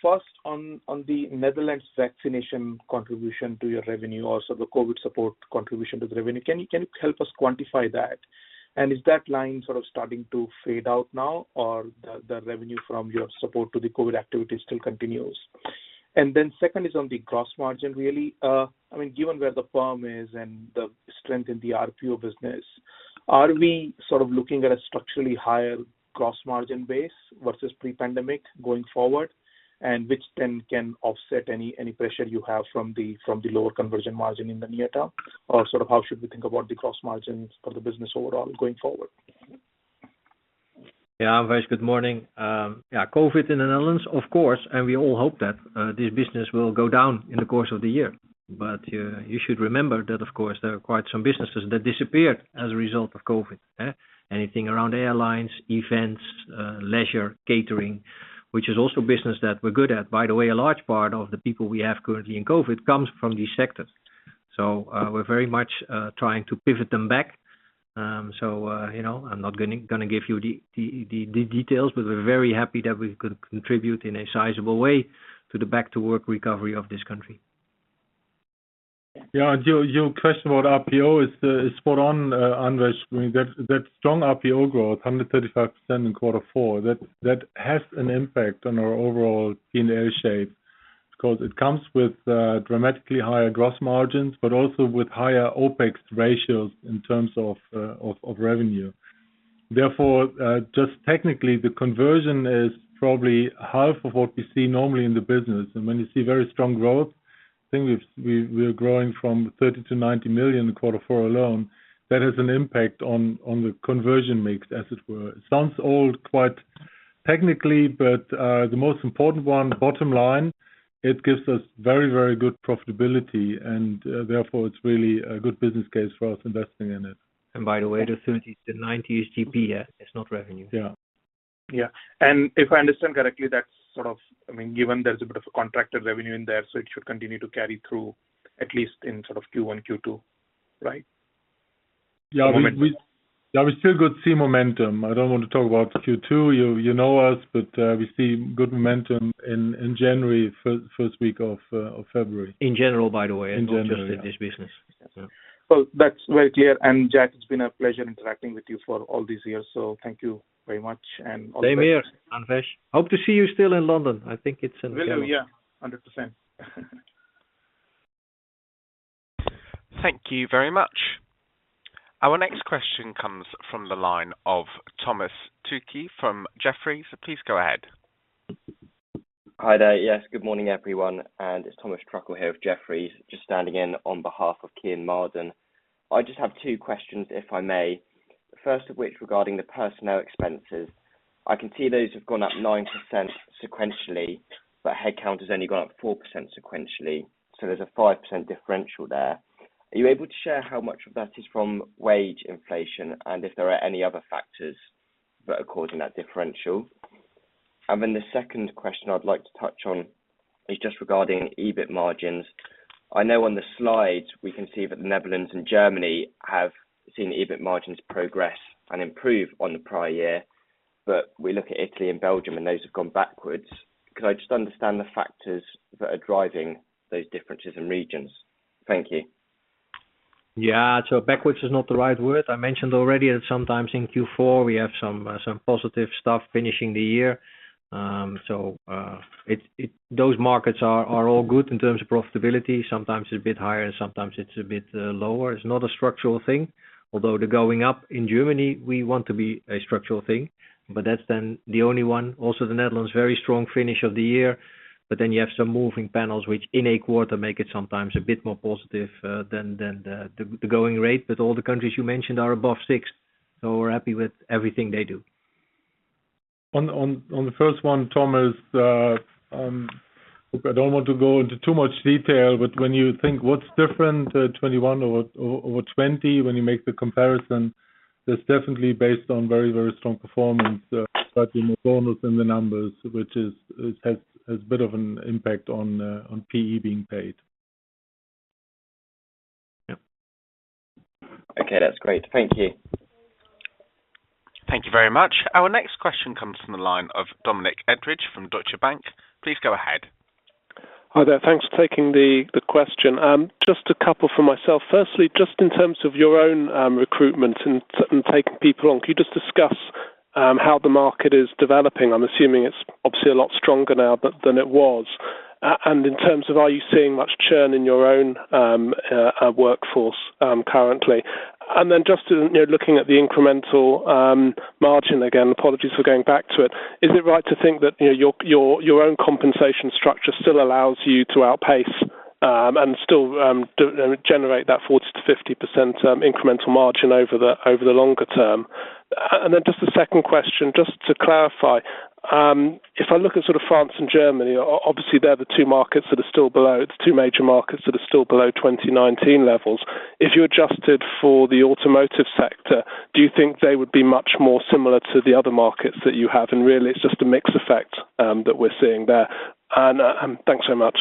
S10: First on the Netherlands vaccination contribution to your revenue, also the COVID support contribution to the revenue, can you help us quantify that? Is that line sort of starting to fade out now? Or the revenue from your support to the COVID activity still continues? Then second is on the gross margin really. I mean, given where the firm is and the strength in the RPO business, are we sort of looking at a structurally higher gross margin base versus pre-pandemic going forward? Which then can offset any pressure you have from the lower conversion margin in the near term? Sort of how should we think about the gross margins for the business overall going forward?
S2: Yeah. Anvesh, good morning. Yeah, COVID in the Netherlands, of course, and we all hope that this business will go down in the course of the year. You should remember that, of course, there are quite some businesses that disappeared as a result of COVID, anything around airlines, events, leisure, catering, which is also business that we're good at. By the way, a large part of the people we have currently in COVID comes from these sectors. We're very much trying to pivot them back. You know, I'm not gonna give you the details, but we're very happy that we could contribute in a sizable way to the back to work recovery of this country.
S4: Yeah. Your question about RPO is spot on, Anvesh. I mean, that strong RPO growth, 135% in quarter four, that has an impact on our overall P&L shape because it comes with dramatically higher gross margins, but also with higher OpEx ratios in terms of of revenue. Therefore, just technically, the conversion is probably half of what we see normally in the business. When you see very strong growth, I think we are growing from 30 million to 90 million in quarter four alone. That has an impact on the conversion mix, as it were. It sounds all quite technical, but the most important one, bottom line, it gives us very, very good profitability, and therefore, it's really a good business case for us investing in it.
S2: By the way, the 30-90 is GP, yes? It's not revenue.
S4: Yeah.
S10: Yeah. If I understand correctly, that's sort of, I mean, given there's a bit of a contracted revenue in there, so it should continue to carry through at least in sort of Q1, Q2, right?
S4: Yeah. We
S2: Momentum.
S4: Yeah. We still could see momentum. I don't want to talk about Q2. You know us, but we see good momentum in January, first week of February.
S2: In general, by the way.
S4: In general, yeah.
S2: Not just this business. Yeah.
S10: Well, that's very clear. Jacco, it's been a pleasure interacting with you for all these years, so thank you very much and all the best.
S2: Same here, Anvesh. Hope to see you still in London. I think it's in January.
S10: Will do, yeah. 100%.
S1: Thank you very much. Our next question comes from the line of Thomas Truckle from Jefferies. Please go ahead.
S11: Hi there. Yes, good morning, everyone. It's Thomas Truckle here with Jefferies, just standing in on behalf of Kean Marden. I just have two questions, if I may. First of which, regarding the personnel expenses, I can see those have gone up 9% sequentially, but headcount has only gone up 4% sequentially, so there's a 5% differential there. Are you able to share how much of that is from wage inflation and if there are any other factors that are causing that differential? Then the second question I'd like to touch on is just regarding EBIT margins. I know on the slides, we can see that the Netherlands and Germany have seen EBIT margins progress and improve on the prior year. We look at Italy and Belgium, and those have gone backwards. Could I just understand the factors that are driving those differences in regions? Thank you.
S2: Yeah. Backwards is not the right word. I mentioned already that sometimes in Q4 we have some positive stuff finishing the year. Those markets are all good in terms of profitability. Sometimes it's a bit higher, and sometimes it's a bit lower. It's not a structural thing. Although the going up in Germany, we want to be a structural thing, but that's then the only one. Also, the Netherlands, very strong finish of the year. Then you have some moving parts which in a quarter make it sometimes a bit more positive than the going rate. All the countries you mentioned are above 6%, so we're happy with everything they do.
S4: On the first one, Thomas, look, I don't want to go into too much detail, but when you think what's different, 21 or 20, when you make the comparison, that's definitely based on very strong performance, but in the bonus and the numbers, which has a bit of an impact on PE being paid.
S11: Okay, that's great. Thank you.
S1: Thank you very much. Our next question comes from the line of Dominic Edridge from Deutsche Bank. Please go ahead.
S12: Hi there. Thanks for taking the question. Just a couple for myself. Firstly, just in terms of your own recruitment and taking people on, can you just discuss how the market is developing? I'm assuming it's obviously a lot stronger now than it was. In terms of, are you seeing much churn in your own workforce currently? Then just in, you know, looking at the incremental margin, again, apologies for going back to it. Is it right to think that, you know, your own compensation structure still allows you to outpace and still generate that 40%-50% incremental margin over the longer term? Then just a second question, just to clarify, if I look at sort of France and Germany, obviously, they're the two major markets that are still below 2019 levels. If you adjusted for the automotive sector, do you think they would be much more similar to the other markets that you have? Really, it's just a mix effect that we're seeing there. Thanks so much.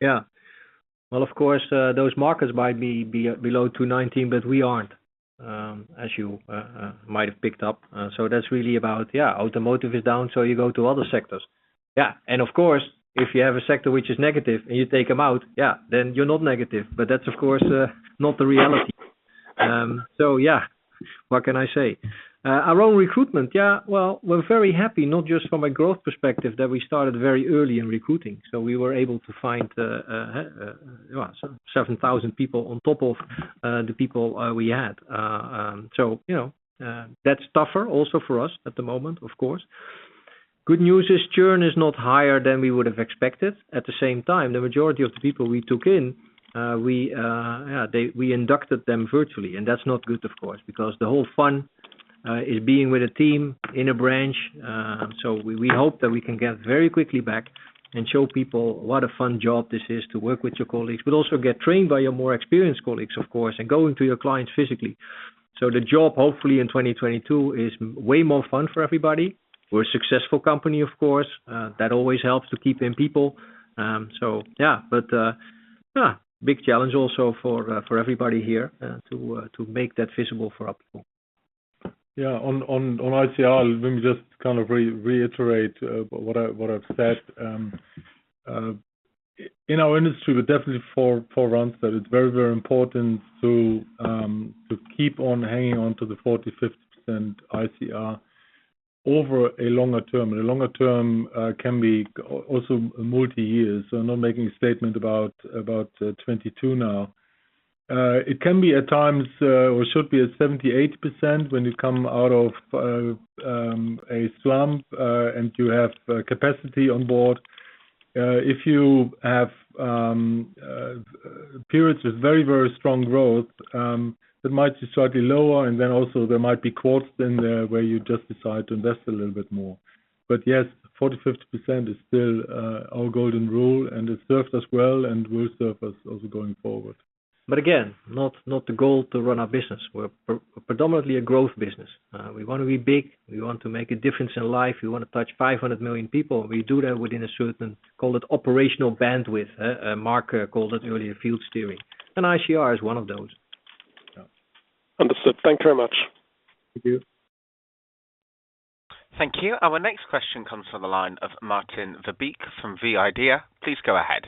S2: Yeah. Well, of course, those markets might be below 2019, but we aren't, as you might have picked up. That's really about, yeah, automotive is down, so you go to other sectors. Yeah. Of course, if you have a sector which is negative and you take them out, yeah, then you're not negative. That's, of course, not the reality. Yeah, what can I say? Our own recruitment, yeah, well, we're very happy, not just from a growth perspective, that we started very early in recruiting. We were able to find, yeah, 7,000 people on top of the people we had. You know, that's tougher also for us at the moment, of course. Good news is churn is not higher than we would have expected. At the same time, the majority of the people we took in, we inducted them virtually, and that's not good, of course, because the whole fun is being with a team in a branch. We hope that we can get very quickly back and show people what a fun job this is to work with your colleagues, but also get trained by your more experienced colleagues, of course, and going to your clients physically. The job, hopefully in 2022, is way more fun for everybody. We're a successful company, of course. That always helps to keep in people. Big challenge also for everybody here to make that visible for our people.
S4: Yeah. On ICR, let me just kind of reiterate what I've said. In our industry, we definitely, for Randstad, it's very important to hold on to the 40%-50% ICR over a longer term. A longer term can also be multi-year. I'm not making a statement about 2022 now. It can be at times or should be at 78% when you come out of a slump and you have capacity on board. If you have periods with very strong growth, it might be slightly lower, and then also there might be quarters in there where you just decide to invest a little bit more. Yes, 40%-50% is still our golden rule, and it serves us well and will serve us also going forward.
S2: Again, not the goal to run our business. We're predominantly a growth business. We wanna be big. We want to make a difference in life. We wanna touch 500 million people. We do that within a certain, call it operational bandwidth. Marc called it earlier, field steering. ICR is one of those. So.
S12: Understood. Thank you very much.
S4: Thank you.
S1: Thank you. Our next question comes from the line of Maarten Verbeek from Degroof Petercam. Please go ahead.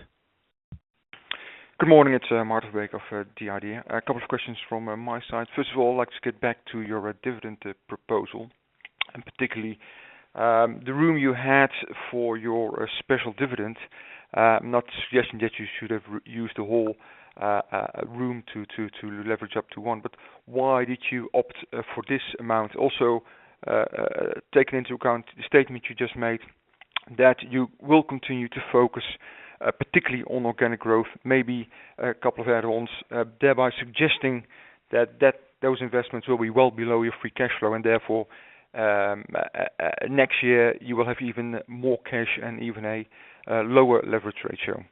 S13: Good morning. It's Maarten Verbeek of the IDEA!. A couple of questions from my side. First of all, I'd like to get back to your dividend proposal Particularly, the room you had for your special dividend, I'm not suggesting that you should have used the whole room to leverage up to one, but why did you opt for this amount? Also, taking into account the statement you just made that you will continue to focus particularly on organic growth, maybe a couple of add-ons, thereby suggesting that those investments will be well below your free cash flow and therefore, next year you will have even more cash and even a lower leverage ratio.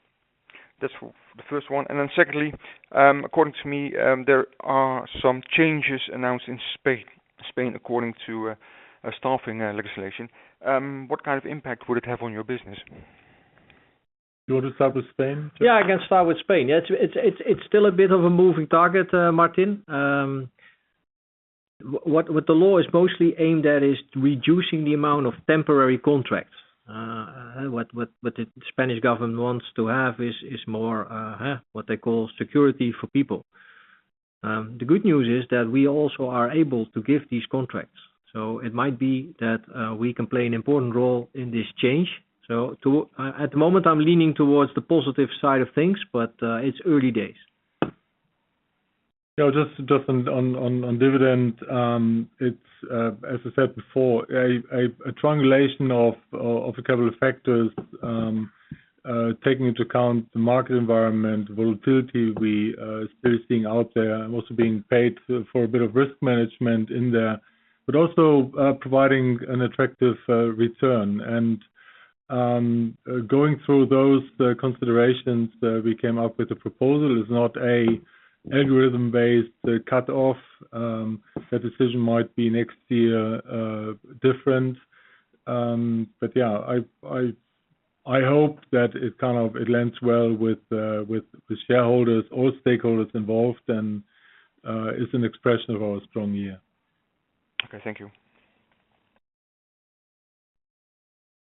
S13: That's the first one. Secondly, according to me, there are some changes announced in Spain. Spain, according to a staffing legislation. What kind of impact would it have on your business?
S4: You want to start with Spain?
S2: Yeah, I can start with Spain. Yeah. It's still a bit of a moving target, Maarten. What the law is mostly aimed at is reducing the amount of temporary contracts. What the Spanish government wants to have is more what they call security for people. The good news is that we also are able to give these contracts. It might be that we can play an important role in this change. At the moment, I'm leaning towards the positive side of things, but it's early days.
S4: Yeah, just on dividend. It's as I said before, a triangulation of a couple of factors, taking into account the market environment volatility we still seeing out there, and also being paid for a bit of risk management in there, but also providing an attractive return. Going through those considerations, we came up with a proposal. It's not an algorithm-based cut off. The decision might be next year different. Yeah, I hope that it kind of it lands well with shareholders or stakeholders involved, and it's an expression of our strong year.
S13: Okay. Thank you.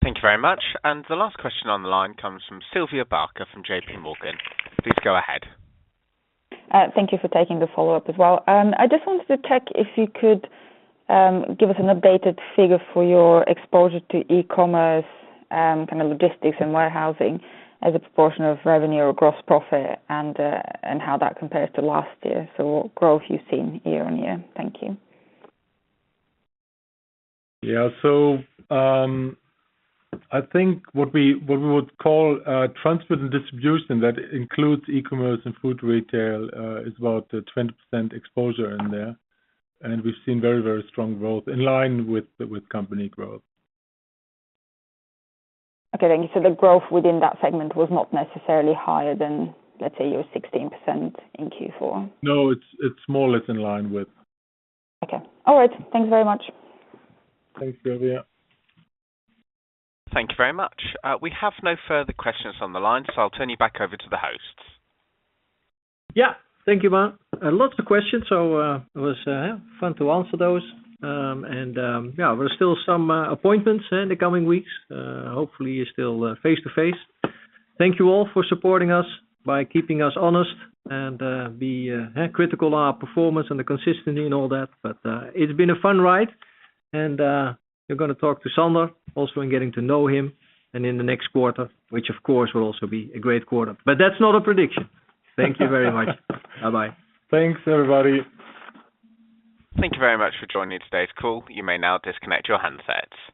S1: Thank you very much. The last question on the line comes from Suhasini Varanasi from JP Morgan. Please go ahead.
S3: Thank you for taking the follow-up as well. I just wanted to check if you could give us an updated figure for your exposure to e-commerce, kinda logistics and warehousing as a proportion of revenue or gross profit and how that compares to last year. What growth you've seen year on year? Thank you.
S4: Yeah. I think what we would call transport and distribution that includes e-commerce and food retail is about 20% exposure in there. We've seen very, very strong growth in line with company growth.
S3: Okay, thank you. The growth within that segment was not necessarily higher than, let's say, your 16% in Q4?
S4: No, it's more or less in line with.
S3: Okay. All right. Thank you very much.
S4: Thanks, Suhasini.
S1: Thank you very much. We have no further questions on the line, so I'll turn you back over to the hosts.
S2: Yeah. Thank you, Marc. A lot of questions, so it was fun to answer those. Yeah, there are still some appointments in the coming weeks. Hopefully still face-to-face. Thank you all for supporting us by keeping us honest and be critical of our performance and the consistency and all that. It's been a fun ride. You're gonna talk to Sander also in getting to know him and in the next quarter, which of course will also be a great quarter. That's not a prediction. Thank you very much. Bye-bye.
S4: Thanks, everybody.
S1: Thank you very much for joining today's call. You may now disconnect your handsets.